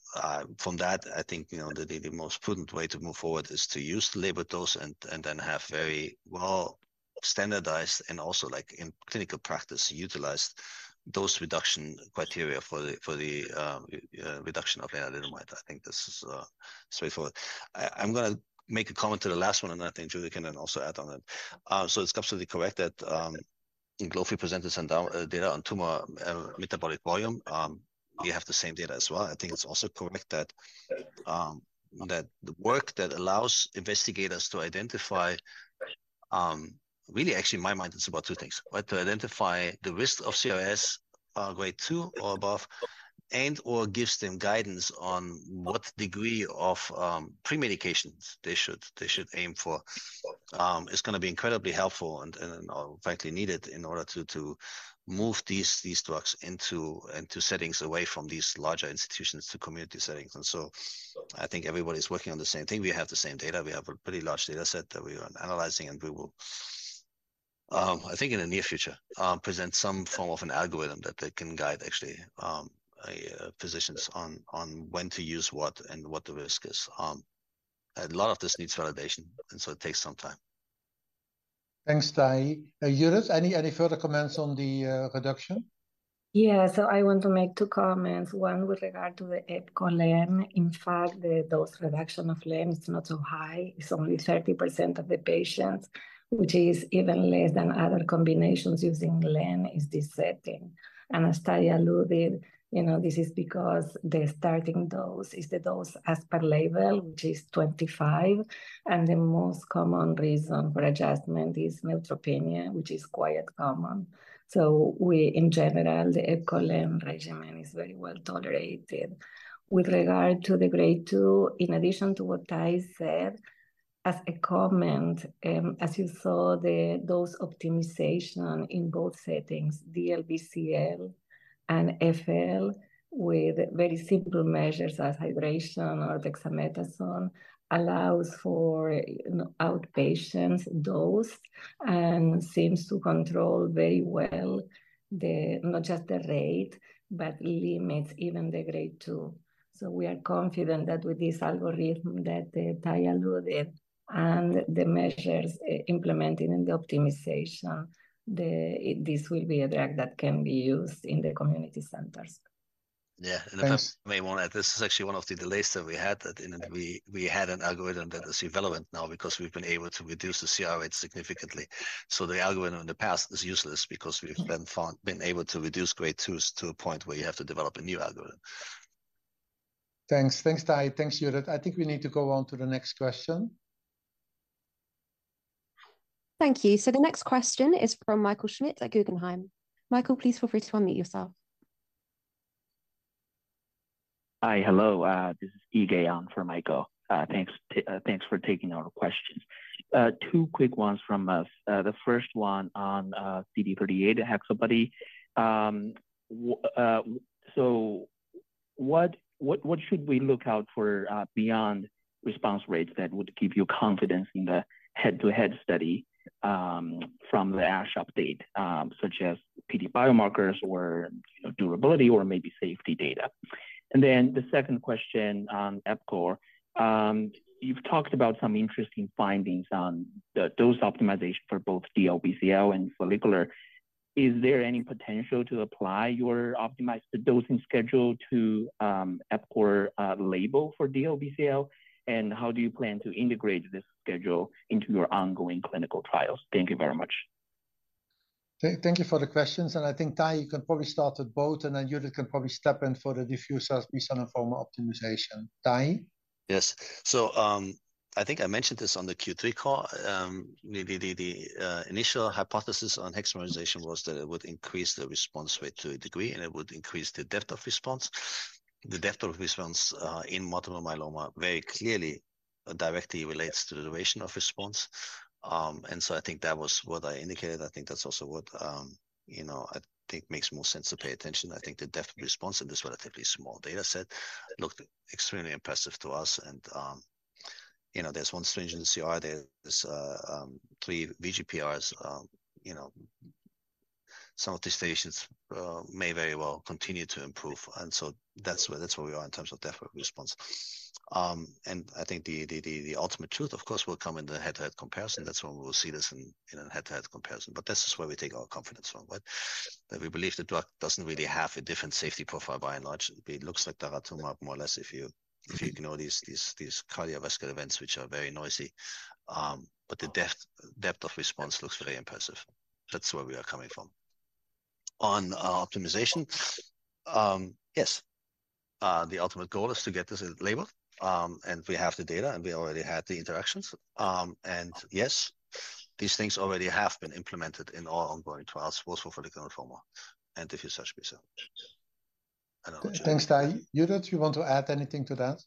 from that, I think, you know, the most prudent way to move forward is to use the label dose and then have very well-standardized and also, like in clinical practice, utilize those reduction criteria for the reduction of lenalidomide. I think this is straightforward. I'm gonna make a comment to the last one, and I think Judith can then also add on it. So it's absolutely correct that Glofi presented some down data on tumor metabolic volume. We have the same data as well. I think it's also correct that that the work that allows investigators to identify, really, actually, in my mind, it's about two things, right? To identify the risk of CRS, grade two or above, and/or gives them guidance on what degree of pre-medications they should, they should aim for. It's gonna be incredibly helpful and, and, frankly, needed in order to to move these, these drugs into into settings away from these larger institutions to community settings. And so I think everybody's working on the same thing. We have the same data. We have a pretty large data set that we are analyzing, and we will, I think in the near future, present some form of an algorithm that they can guide, actually, physicians on, on when to use what and what the risk is. A lot of this needs validation, and so it takes some time. Thanks, Tahi. Judith, any further comments on the reduction? Yeah, so I want to make two comments, one with regard to the EPCORE len. In fact, the dose reduction of len is not so high, it's only 30% of the patients, which is even less than other combinations using len in this setting. And as Tahi alluded, you know, this is because the starting dose is the dose as per label, which is 25, and the most common reason for adjustment is neutropenia, which is quite common. So we, in general, the EPCORE len regimen is very well-tolerated. With regard to the grade two, in addition to what Tahi said, as a comment, as you saw, the dose optimisation in both settings, DLBCL and FL, with very simple measures as hydration or dexamethasone, allows for, you know, outpatients dose and seems to control very well the, not just the rate, but limits even the grade two. So we are confident that with this algorithm that Tahamtan alluded, and the measures implemented and the optimization, this will be a drug that can be used in the community centers. Yeah. Thanks. I may want to add, this is actually one of the delays that we had, that we had an algorithm that is irrelevant now because we've been able to reduce the CR rate significantly. So the algorithm in the past is useless because we've been able to reduce grade twos to a point where you have to develop a new algorithm. Thanks. Thanks, Tahi. Thanks, Judith. I think we need to go on to the next question. Thank you. So the next question is from Michael Schmidt at Guggenheim. Michael, please feel free to unmute yourself. Hi. Hello, this is Yaron for Michael. Thanks for taking our questions. Two quick ones from us. The first one on CD38, the HexaBody. So what should we look out for beyond response rates that would give you confidence in the head-to-head study from the ASH update, such as PD biomarkers or durability or maybe safety data? And then the second question on EPCOR. You've talked about some interesting findings on the dose optimization for both DLBCL and follicular. Is there any potential to apply your optimized dosing schedule to EPCORE label for DLBCL? And how do you plan to integrate this schedule into your ongoing clinical trials? Thank you very much. Thank you for the questions, and I think, Tahi, you can probably start with both, and then Judith can probably step in for the diffuse large B-cell lymphoma optimization. Tahi? Yes. So, I think I mentioned this on the Q3 call, the initial hypothesis on hexamerization was that it would increase the response rate to a degree, and it would increase the depth of response. The depth of response, in multiple myeloma very clearly directly relates to the duration of response. And so I think that was what I indicated. I think that's also what, you know, I think makes more sense to pay attention. I think the depth of response in this relatively small data set looked extremely impressive to us and, you know, there's one sCR, there's three VGPRs, you know, some of these patients may very well continue to improve, and so that's where, that's where we are in terms of depth of response. And I think the ultimate truth, of course, will come in the head-to-head comparison. That's when we will see this in a head-to-head comparison, but this is where we take our confidence from, right? That we believe the drug doesn't really have a different safety profile by and large. It looks like daratumumab more or less if you ignore these cardiovascular events, which are very noisy. But the depth of response looks very impressive. That's where we are coming from. On optimization, yes, the ultimate goal is to get this labeled, and we have the data, and we already had the interactions. And yes, these things already have been implemented in all ongoing trials, both for follicular lymphoma and diffuse large B-cell. I don't know- Thanks, Tahi. Judith, you want to add anything to that?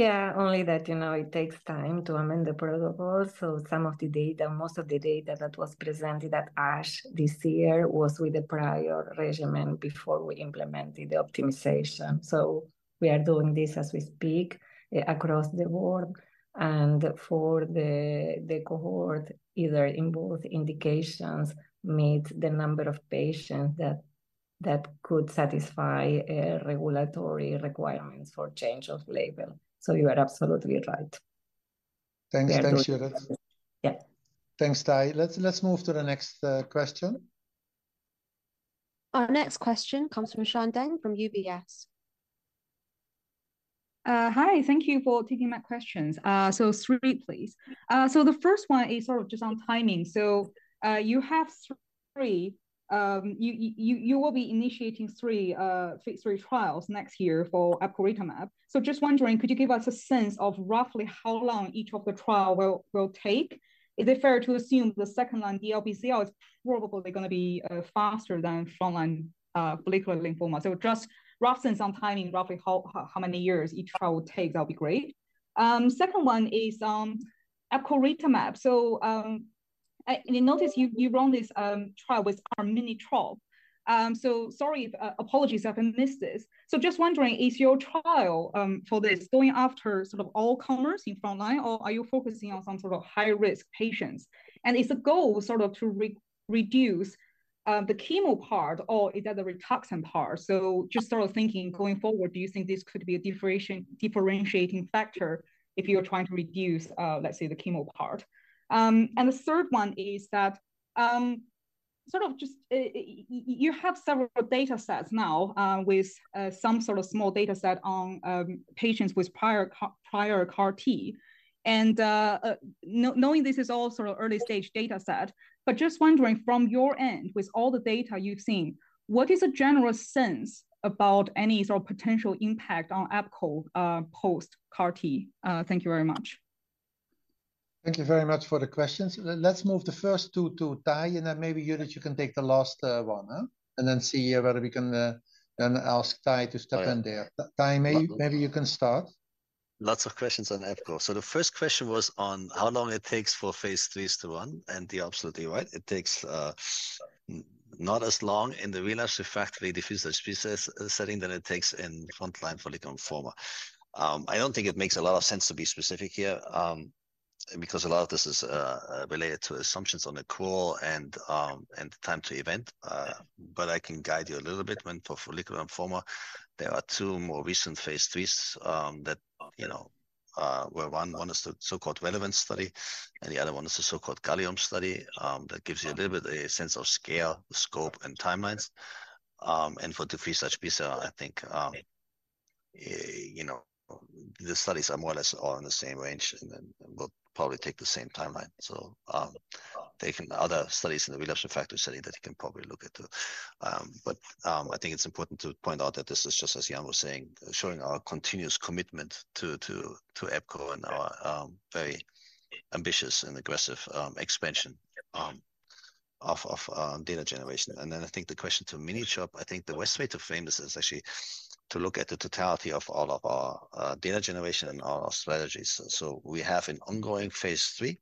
Yeah, only that, you know, it takes time to amend the protocol. So some of the data, most of the data that was presented at ASH this year was with the prior regimen before we implemented the optimization. So we are doing this as we speak, across the board, and for the cohort, either in both indications, meet the number of patients that could satisfy regulatory requirements for change of label. So you are absolutely right. Thanks. Thanks, Judith. Yeah. Thanks, Tahi. Let's move to the next question. Our next question comes from Xian Deng from UBS. Hi, thank you for taking my questions. So three, please. So the first one is sort of just on timing. So you will be initiating three phase III trials next year for epcoritamab. So just wondering, could you give us a sense of roughly how long each of the trial will take? Is it fair to assume the second-line DLBCL is probably gonna be faster than front-line follicular lymphoma? So just roughly some timing, roughly how many years each trial will take, that'll be great. Second one is epcoritamab. So I... And I notice you run this trial with R-miniCHOP trial. So sorry if apologies if I missed this. So just wondering, is your trial for this going after sort of all comers in front line, or are you focusing on some sort of high-risk patients? And is the goal sort of to reduce the chemo part or is that the rituximab part? So just sort of thinking going forward, do you think this could be a differentiating factor if you're trying to reduce, let's say, the chemo part? And the third one is that, sort of just, you have several data sets now, with some sort of small data set on patients with prior CAR-T. Knowing this is all sort of early stage data set, but just wondering from your end, with all the data you've seen, what is a general sense about any sort of potential impact on epco post-CAR-T? Thank you very much. Thank you very much for the questions. Let's move the first two to Tahi, and then maybe, Judith, you can take the last one, and then see whether we can then ask Tahi to start in there. Tahi. Tahi, maybe you can start. Lots of questions on epco. So the first question was on how long it takes for phase IIIs to run, and you're absolutely right. It takes not as long in the relapsed refractory diffuse large B-cell setting than it takes in frontline follicular lymphoma. I don't think it makes a lot of sense to be specific here because a lot of this is related to assumptions on the call and time to event, but I can guide you a little bit. For follicular lymphoma, there are two more recent phase IIIs that you know where one is the so-called Relevance study, and the other one is the so-called Gallium study. That gives you a little bit a sense of scale, scope, and timelines. And for diffuse large B-cell, I think, you know, the studies are more or less all in the same range and then will probably take the same timeline. So, there are other studies in the relapse refractory setting that you can probably look at too. But, I think it's important to point out that this is just as Jan was saying, showing our continuous commitment to epco and our very ambitious and aggressive expansion of data generation. And then I think the question to mini-CHOP, I think the best way to frame this is actually to look at the totality of all of our data generation and all our strategies. So we have an ongoing phase III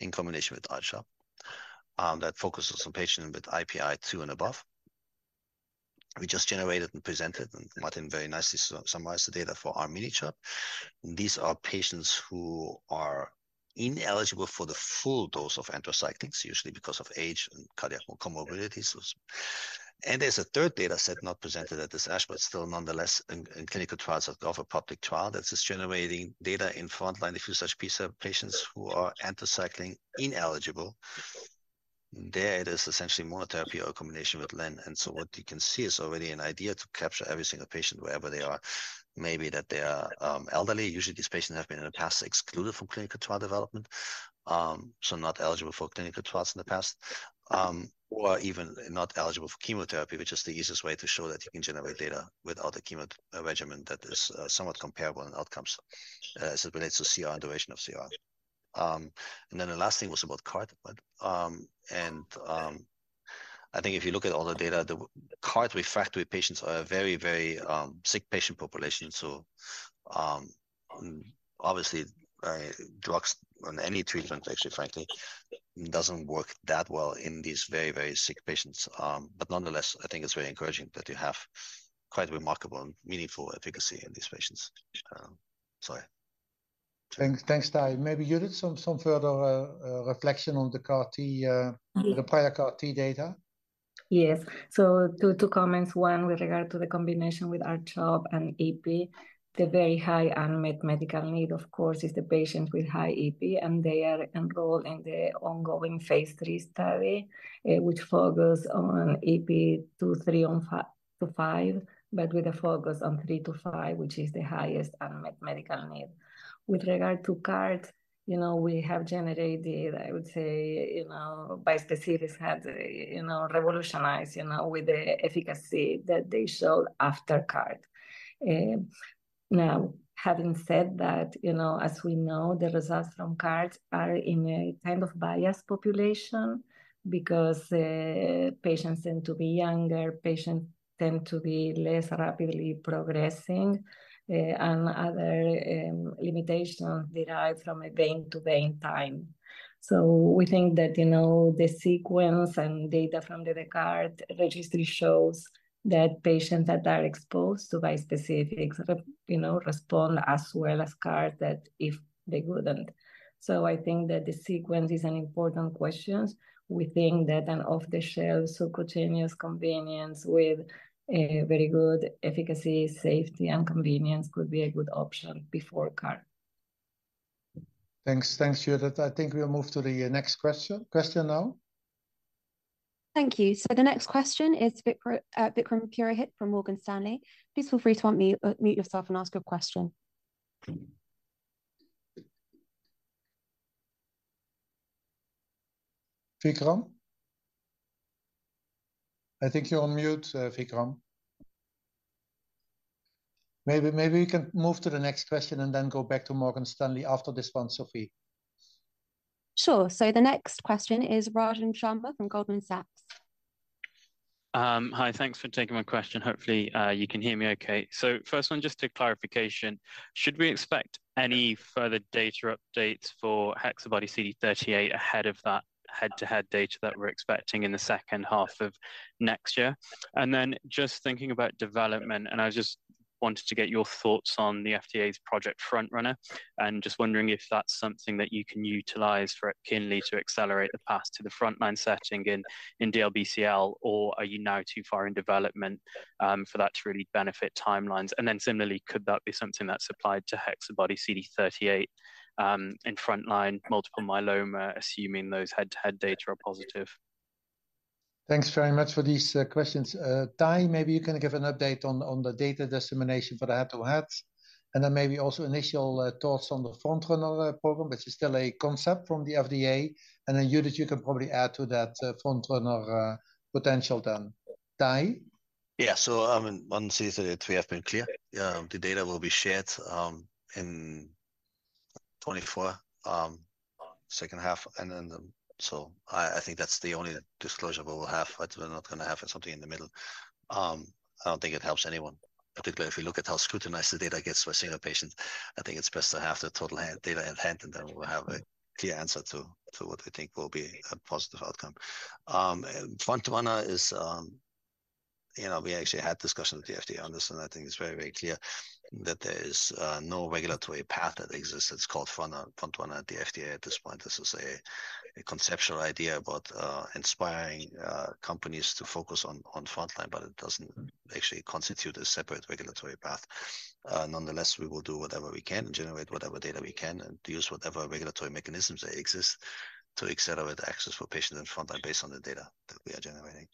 in combination with R-miniCHOP that focuses on patients with IPI two and above. We just generated and presented, and Martin very nicely summarized the data for R-miniCHOP. These are patients who are ineligible for the full dose of anthracyclines, usually because of age and cardiac comorbidities. There's a third data set not presented at this ASH, but still nonetheless in clinical trials of a public trial that is generating data in front line diffuse large B-cell patients who are anthracycline ineligible. There, it is essentially monotherapy or combination with len. And so what you can see is already an idea to capture every single patient wherever they are, maybe that they are elderly. Usually, these patients have been in the past excluded from clinical trial development. So not eligible for clinical trials in the past, or even not eligible for chemotherapy, which is the easiest way to show that you can generate data without the chemo regimen that is somewhat comparable in outcomes as it relates to CR and duration of CR. And then the last thing was about CAR-T, but, and, I think if you look at all the data, the CAR-T refractory patients are a very, very sick patient population. So, obviously, drugs and any treatment, actually, frankly, doesn't work that well in these very, very sick patients. But nonetheless, I think it's very encouraging that you have quite remarkable and meaningful efficacy in these patients. So yeah. Thanks, thanks, Tahi. Maybe Judith, some further reflection on the CAR-T. Mm-hmm... the prior CAR-T data? Yes. So two, two comments. One, with regard to the combination with R-CHOP and epcoritamab. The very high unmet medical need, of course, is the patient with high IPI, and they are enrolled in the ongoing phase III study, which focuses on IPI 2, 3, and four to five, but with a focus on three to five, which is the highest unmet medical need. With regard to CAR-T, you know, we have generated, I would say, you know, bispecifics have, you know, revolutionized, you know, with the efficacy that they showed after CAR-T. Now, having said that, you know, as we know, the results from CAR-T are in a kind of biased population because patients tend to be younger, patients tend to be less rapidly progressing, and other limitations derive from a vein to vein time. So we think that, you know, the sequence and data from the, the CAR-T registry shows that patients that are exposed to bispecific, you know, respond as well as CAR-T that if they wouldn't. So I think that the sequence is an important question. We think that an off-the-shelf subcutaneous convenience with a very good efficacy, safety, and convenience could be a good option before CAR-T. Thanks. Thanks, Judith. I think we'll move to the next question now. Thank you. The next question is from Vikram Purohit from Morgan Stanley. Please feel free to unmute yourself and ask your question. Vikram? I think you're on mute, Vikram. Maybe we can move to the next question and then go back to Morgan Stanley after this one, Sophie. Sure. So the next question is Rajan Sharma from Goldman Sachs. Hi, thanks for taking my question. Hopefully, you can hear me okay. So first one, just a clarification, should we expect any further data updates for HexaBody-CD38 ahead of that head-to-head data that we're expecting in the second half of next year? And then just thinking about development, and I just wanted to get your thoughts on the FDA's Project Frontrunner, and just wondering if that's something that you can utilize for EPKINLY to accelerate the path to the frontline setting in, in DLBCL, or are you now too far in development, for that to really benefit timelines? And then similarly, could that be something that's applied to HexaBody-CD38, in frontline multiple myeloma, assuming those head-to-head data are positive? Thanks very much for these questions. Tahi, maybe you can give an update on the data dissemination for the head-to-head, and then maybe also initial thoughts on the Frontrunner program, which is still a concept from the FDA. And then, Judith, you can probably add to that, Frontrunner potential then. Tahi? Yeah. So, one, two, three have been clear. The data will be shared in 2024 second half, and then the. So I think that's the only disclosure we will have, but we're not gonna have something in the middle. I don't think it helps anyone, particularly if you look at how scrutinized the data gets for senior patients. I think it's best to have the total data at hand, and then we'll have a clear answer to what we think will be a positive outcome. And Frontrunner is, you know, we actually had discussions with the FDA on this, and I think it's very, very clear that there is no regulatory path that exists. It's called Frontrunner at the FDA at this point. This is a conceptual idea about inspiring companies to focus on frontline, but it doesn't actually constitute a separate regulatory path. Nonetheless, we will do whatever we can and generate whatever data we can, and use whatever regulatory mechanisms that exist to accelerate access for patients in frontline based on the data that we are generating.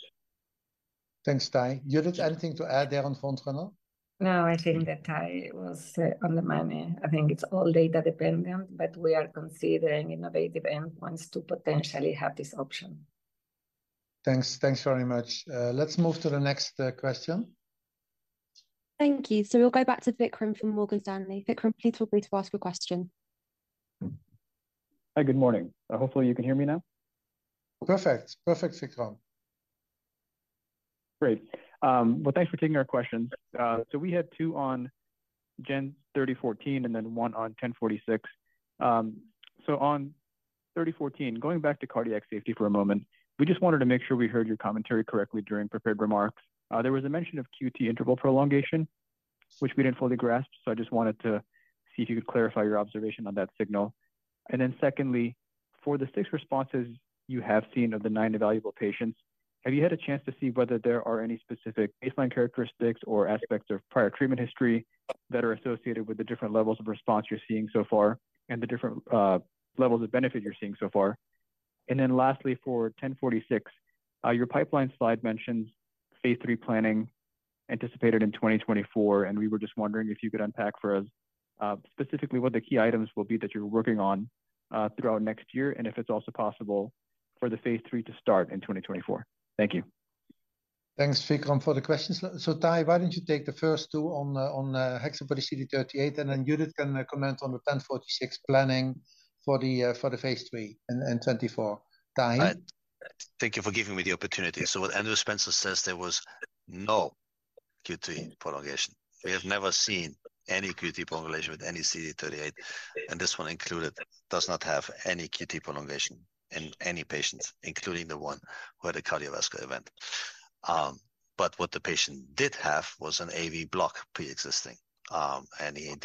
Thanks, Tahi. Judith, anything to add there on Frontrunner? No, I think that Tahi was on the money. I think it's all data-dependent, but we are considering innovative endpoints to potentially have this option. Thanks. Thanks very much. Let's move to the next question. Thank you. So we'll go back to Vikram from Morgan Stanley. Vikram, please feel free to ask your question. Hi, good morning. Hopefully you can hear me now. Perfect. Perfect, Vikram. Great. Well, thanks for taking our questions. So we had two on GEN3014 and then one on 1046. So on 3014, going back to cardiac safety for a moment, we just wanted to make sure we heard your commentary correctly during prepared remarks. There was a mention of QT interval prolongation, which we didn't fully grasp, so I just wanted to see if you could clarify your observation on that signal. And then secondly, for the six responses you have seen of the nine evaluable patients, have you had a chance to see whether there are any specific baseline characteristics or aspects of prior treatment history that are associated with the different levels of response you're seeing so far and the different, levels of benefit you're seeing so far?... Then lastly, for 1046, your pipeline slide mentions phase III planning anticipated in 2024, and we were just wondering if you could unpack for us, specifically what the key items will be that you're working on, throughout next year, and if it's also possible for the phase III to start in 2024. Thank you. Thanks, Vikram, for the questions. So, Tahi, why don't you take the first two on the HexaBody-CD38, and then Judith can comment on the GEN1046 planning for the phase III in 2024. Tahi? Thank you for giving me the opportunity. So what Andrew Spencer says, there was no QT prolongation. We have never seen any QT prolongation with any CD38, and this one included, does not have any QT prolongation in any patients, including the one who had a cardiovascular event. But what the patient did have was an AV block pre-existing. And he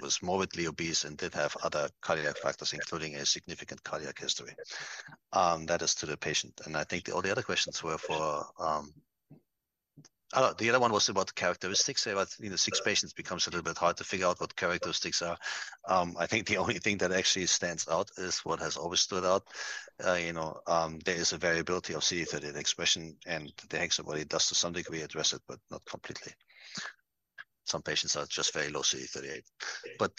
was morbidly obese and did have other cardiac factors, including a significant cardiac history. That is to the patient, and I think the, all the other questions were for... I don't know, the other one was about the characteristics. But, you know, 6 patients becomes a little bit hard to figure out what characteristics are. I think the only thing that actually stands out is what has always stood out. You know, there is a variability of CD38 expression, and the HexaBody does to some degree address it, but not completely. Some patients are just very low CD38, but,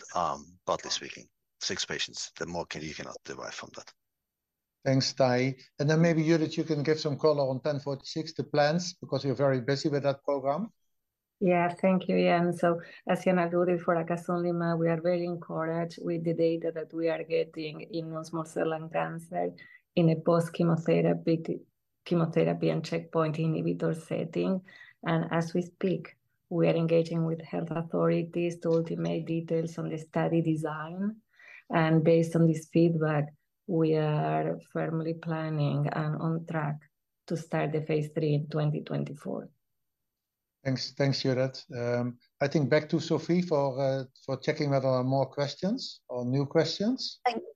broadly speaking, six patients, the more you cannot derive from that. Thanks, Tahi. And then maybe, Judith, you can give some color on 1046, the plans, because we're very busy with that program. Yeah, thank you, Jan. So as you know, Judith, for acasunlimab, we are very encouraged with the data that we are getting in non-small cell lung cancer in a post-chemotherapy, chemotherapy and checkpoint inhibitor setting. And as we speak, we are engaging with health authorities to align details on the study design, and based on this feedback, we are firmly planning and on track to start the phase III in 2024. Thanks. Thanks, Judith. I think back to Sophie for, for checking whether there are more questions or new questions. Thank you.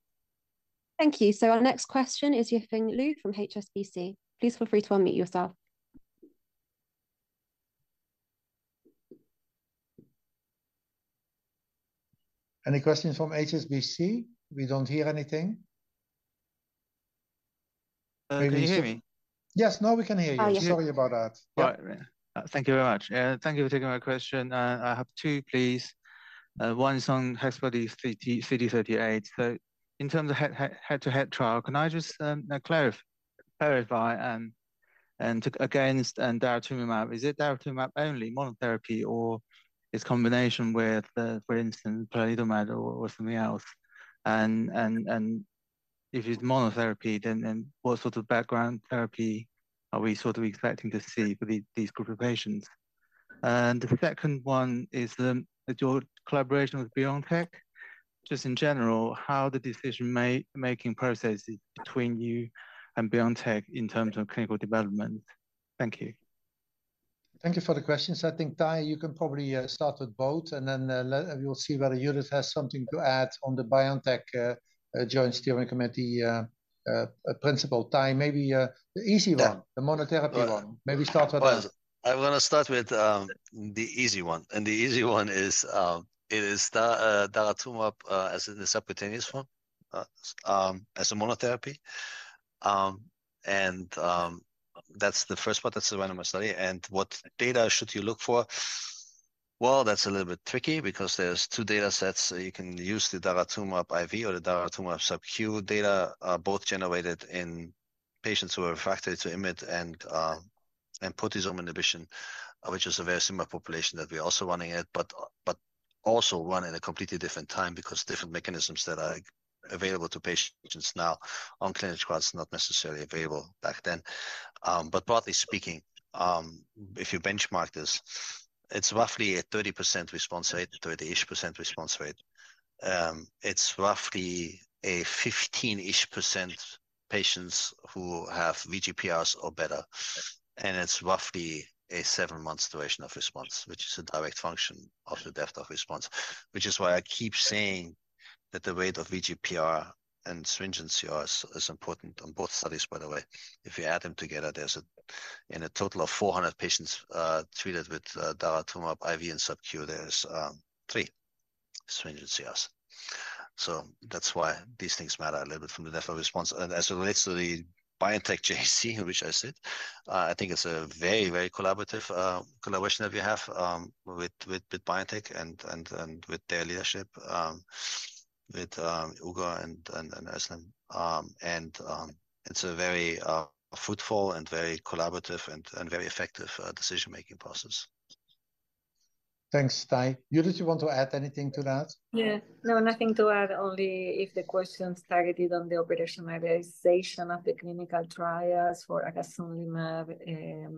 Thank you. So our next question is Yifeng Liu from HSBC. Please feel free to unmute yourself. Any questions from HSBC? We don't hear anything. Can you hear me? Yes, now we can hear you. Oh, yes. Sorry about that. Right. Thank you very much. Thank you for taking my question. I have two, please. One is on HexaBody-CD38. So in terms of head-to-head trial, can I just clarify and against daratumumab, is it daratumumab only monotherapy, or it's combination with, for instance, pomalidomide or something else? And if it's monotherapy, then what sort of background therapy are we sort of expecting to see for these group of patients? And the second one is, your collaboration with BioNTech, just in general, how the decision-making process between you and BioNTech in terms of clinical development? Thank you. Thank you for the questions. I think, Tahi, you can probably start with both, and then we'll see whether Judit has something to add on the BioNTech joint steering committee principle. Tahi, maybe the easy one-. Yeah. The monotherapy one. Maybe start with that. Well, I'm gonna start with the easy one, and the easy one is it is the daratumumab as the subcutaneous one as a monotherapy. And that's the first part, that's the randomized study. And what data should you look for? Well, that's a little bit tricky because there's two data sets. You can use the daratumumab IV or the daratumumab subQ data, both generated in patients who are refractory to IMiD and proteasome inhibition, which is a very similar population that we're also running it, but also run in a completely different time because different mechanisms that are available to patients now on clinical trials, not necessarily available back then. But broadly speaking, if you benchmark this, it's roughly a 30% response rate, 30%-ish response rate. It's roughly a 15%-ish patients who have VGPRs or better, and it's roughly a seven month duration of response, which is a direct function of the depth of response. Which is why I keep saying that the rate of VGPR and stringent CR is important on both studies, by the way. If you add them together, there's in a total of 400 patients treated with daratumumab, IV and subQ, there's three stringent CRs. So that's why these things matter a little bit from the depth of response. And as it relates to the BioNTech JC, which I said, I think it's a very, very collaborative collaboration that we have with BioNTech and with their leadership, with Ugur and Özlem. It's a very fruitful and very collaborative and very effective decision-making process. Thanks, Tahi. Judith, you want to add anything to that? Yeah. No, nothing to add. Only if the question targeted on the operationalization of the clinical trials for acasunlimab,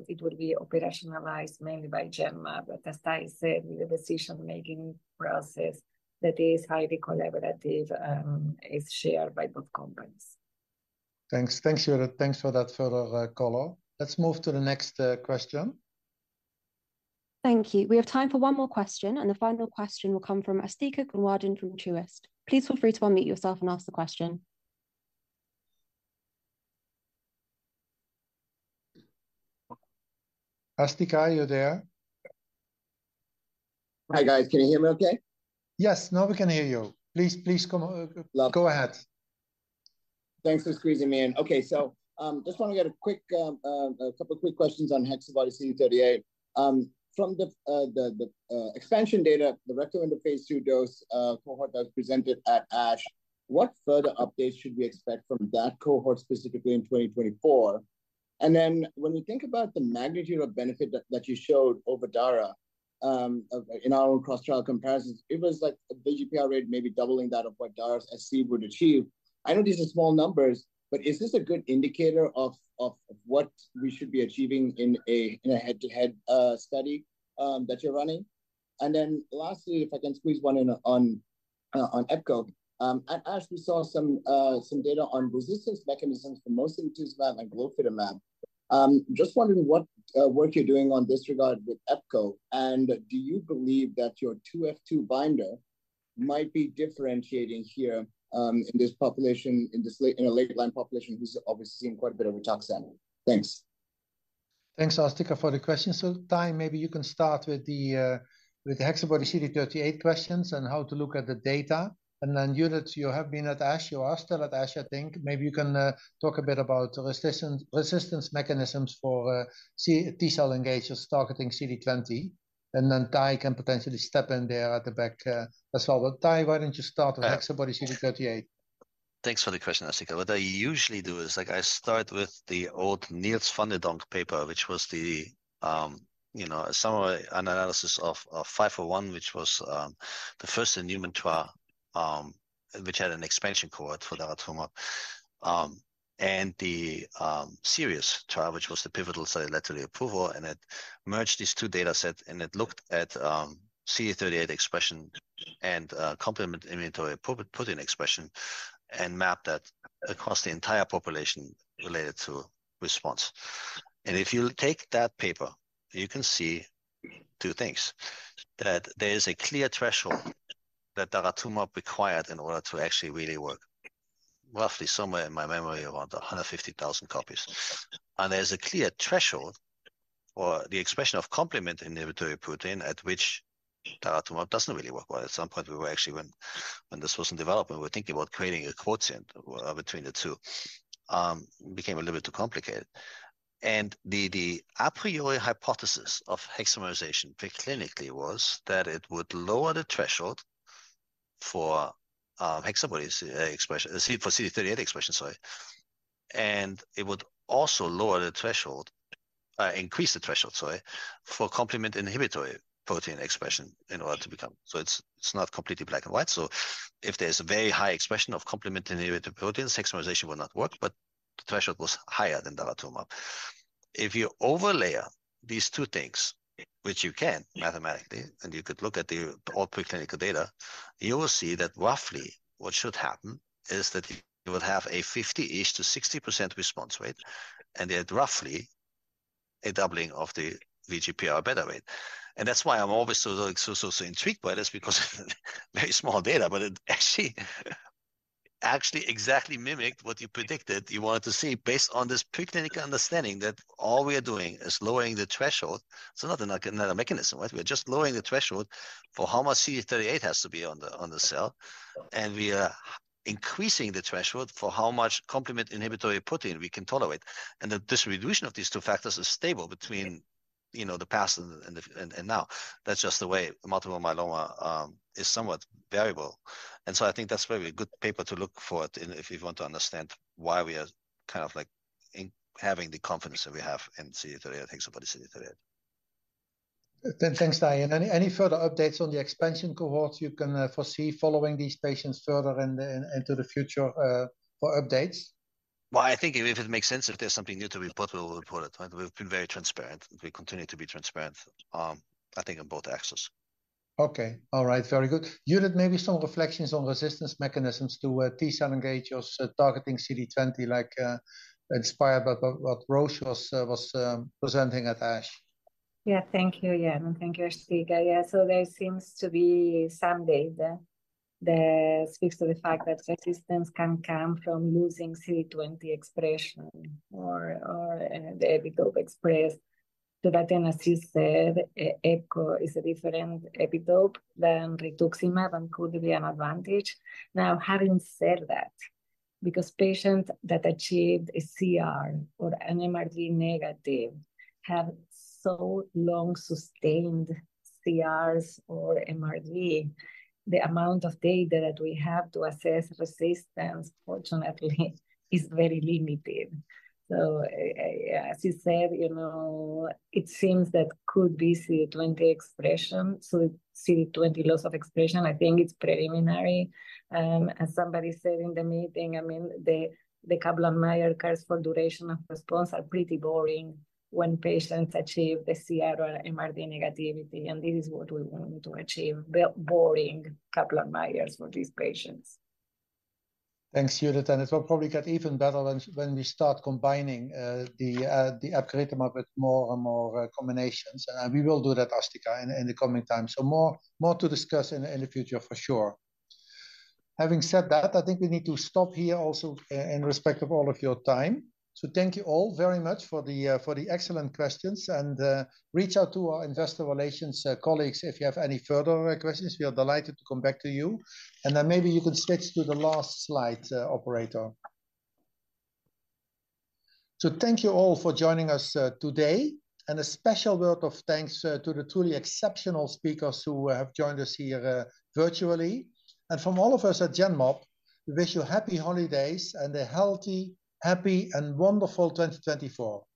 it would be operationalized mainly by Genmab. But as I said, the decision-making process that is highly collaborative is shared by both companies. Thanks. Thanks, Judith. Thanks for that further color. Let's move to the next question. Thank you. We have time for one more question, and the final question will come from Asthika Goonewardene from Truist. Please feel free to unmute yourself and ask the question. Asthika, are you there? Hi, guys. Can you hear me okay? Yes. Now we can hear you. Please, please, come. Love. Go ahead. Thanks for squeezing me in. Okay, so, just wanna get a quick, a couple quick questions on HexaBody-CD38. From the expansion data, the readout in the phase II dose cohort that was presented at ASH, what further updates should we expect from that cohort, specifically in 2024? And then when we think about the magnitude of benefit that you showed over Dara, in our own cross-trial comparisons, it was like the VGPR rate maybe doubling that of what Dara SC would achieve. I know these are small numbers, but is this a good indicator of what we should be achieving in a head-to-head study that you're running? And then lastly, if I can squeeze one in on Epco. At ASH we saw some data on resistance mechanisms for mosunetuzumab and glofitamab. Just wondering what work you're doing in this regard with epcoritamab, and do you believe that your 2F2 binder might be differentiating here, in this population, in a late line population who's obviously seen quite a bit of rituximab? Thanks. Thanks, Asthika, for the question. So Tahi, maybe you can start with the HexaBody-CD38 questions and how to look at the data. And then Judith, you have been at ASH, you are still at ASH, I think. Maybe you can talk a bit about resistance, resistance mechanisms for CD3 T-cell engagers targeting CD20, and then Tahi can potentially step in there at the back, as well. But Tahi, why don't you start with HexaBody-CD38? Thanks for the question, Asthika. What I usually do is, like, I start with the old Niels van de Donk paper, which was the, you know, summary analysis of GEN501, which was the first-in-human trial, which had an expansion cohort for daratumumab. And the SIRIUS trial, which was the pivotal study that led to the approval, and it merged these two data sets, and it looked at CD38 expression and complement inhibitor protein expression, and mapped that across the entire population related to response. And if you take that paper, you can see two things: That there is a clear threshold that daratumumab required in order to actually really work, roughly somewhere in my memory, around 150,000 copies. There's a clear threshold, or the expression of complement inhibitory protein, at which daratumumab doesn't really work well. At some point, we were actually... When this was in development, we were thinking about creating a quotient between the two. Became a little bit too complicated. The a priori hypothesis of hexamerization preclinically was that it would lower the threshold for HexaBody expression for CD38 expression, sorry, and it would also lower the threshold, increase the threshold, sorry, for complement inhibitory protein expression in order to become. So it's not completely black and white. So if there's a very high expression of complement inhibitory protein, hexamerization will not work, but the threshold was higher than daratumumab. If you overlay these two things, which you can mathematically, and you could look at the preclinical data, you will see that roughly what should happen is that you will have a 50%-ish-60% response rate, and yet roughly a doubling of the VGPR rate. And that's why I'm always so, so, so, so intrigued by this, because very small data, but it actually, actually exactly mimicked what you predicted you wanted to see based on this preclinical understanding that all we are doing is lowering the threshold. It's not a – another mechanism, right? We're just lowering the threshold for how much CD38 has to be on the cell, and we are increasing the threshold for how much complement inhibitory protein we can tolerate. The distribution of these two factors is stable between, you know, the past and the now. That's just the way multiple myeloma is somewhat variable. And so I think that's a very good paper to look for it in if you want to understand why we are kind of like in having the confidence that we have in CD38. I think somebody CD38. Then thanks, Tahi. Any further updates on the expansion cohorts you can foresee following these patients further into the future for updates? Well, I think if it makes sense, if there's something new to report, we will report it, right? We've been very transparent. We continue to be transparent, I think on both axes. Okay. All right, very good. Judith, maybe some reflections on resistance mechanisms to T-cell engagers targeting CD20, like inspired by what Roche was presenting at ASH. Yeah. Thank you, Jan. Thank you, Asthika. Yeah, so there seems to be some data that speaks to the fact that resistance can come from losing CD20 expression or the epitope expressed. So that then, as you said, epcoritamab is a different epitope than rituximab and could be an advantage. Now, having said that, because patients that achieved a CR or MRD negative have so long sustained CRs or MRD, the amount of data that we have to assess resistance, fortunately, is very limited. So, as you said, you know, it seems that could be CD20 expression, so CD20 loss of expression, I think it's preliminary. As somebody said in the meeting, I mean, the Kaplan-Meier curves for duration of response are pretty boring when patients achieve the CR MRD negativity, and this is what we want to achieve, boring Kaplan-Meiers for these patients. Thanks, Judith, and it will probably get even better when we start combining the upfront rituximab with more and more combinations. And we will do that, Asthika, in the coming time. So more to discuss in the future for sure. Having said that, I think we need to stop here also in respect of all of your time. So thank you all very much for the excellent questions. And reach out to our investor relations colleagues if you have any further questions. We are delighted to come back to you. And then maybe you can switch to the last slide, operator. So thank you all for joining us today. And a special word of thanks to the truly exceptional speakers who have joined us here virtually. From all of us at Genmab, we wish you happy holidays and a healthy, happy, and wonderful 2024.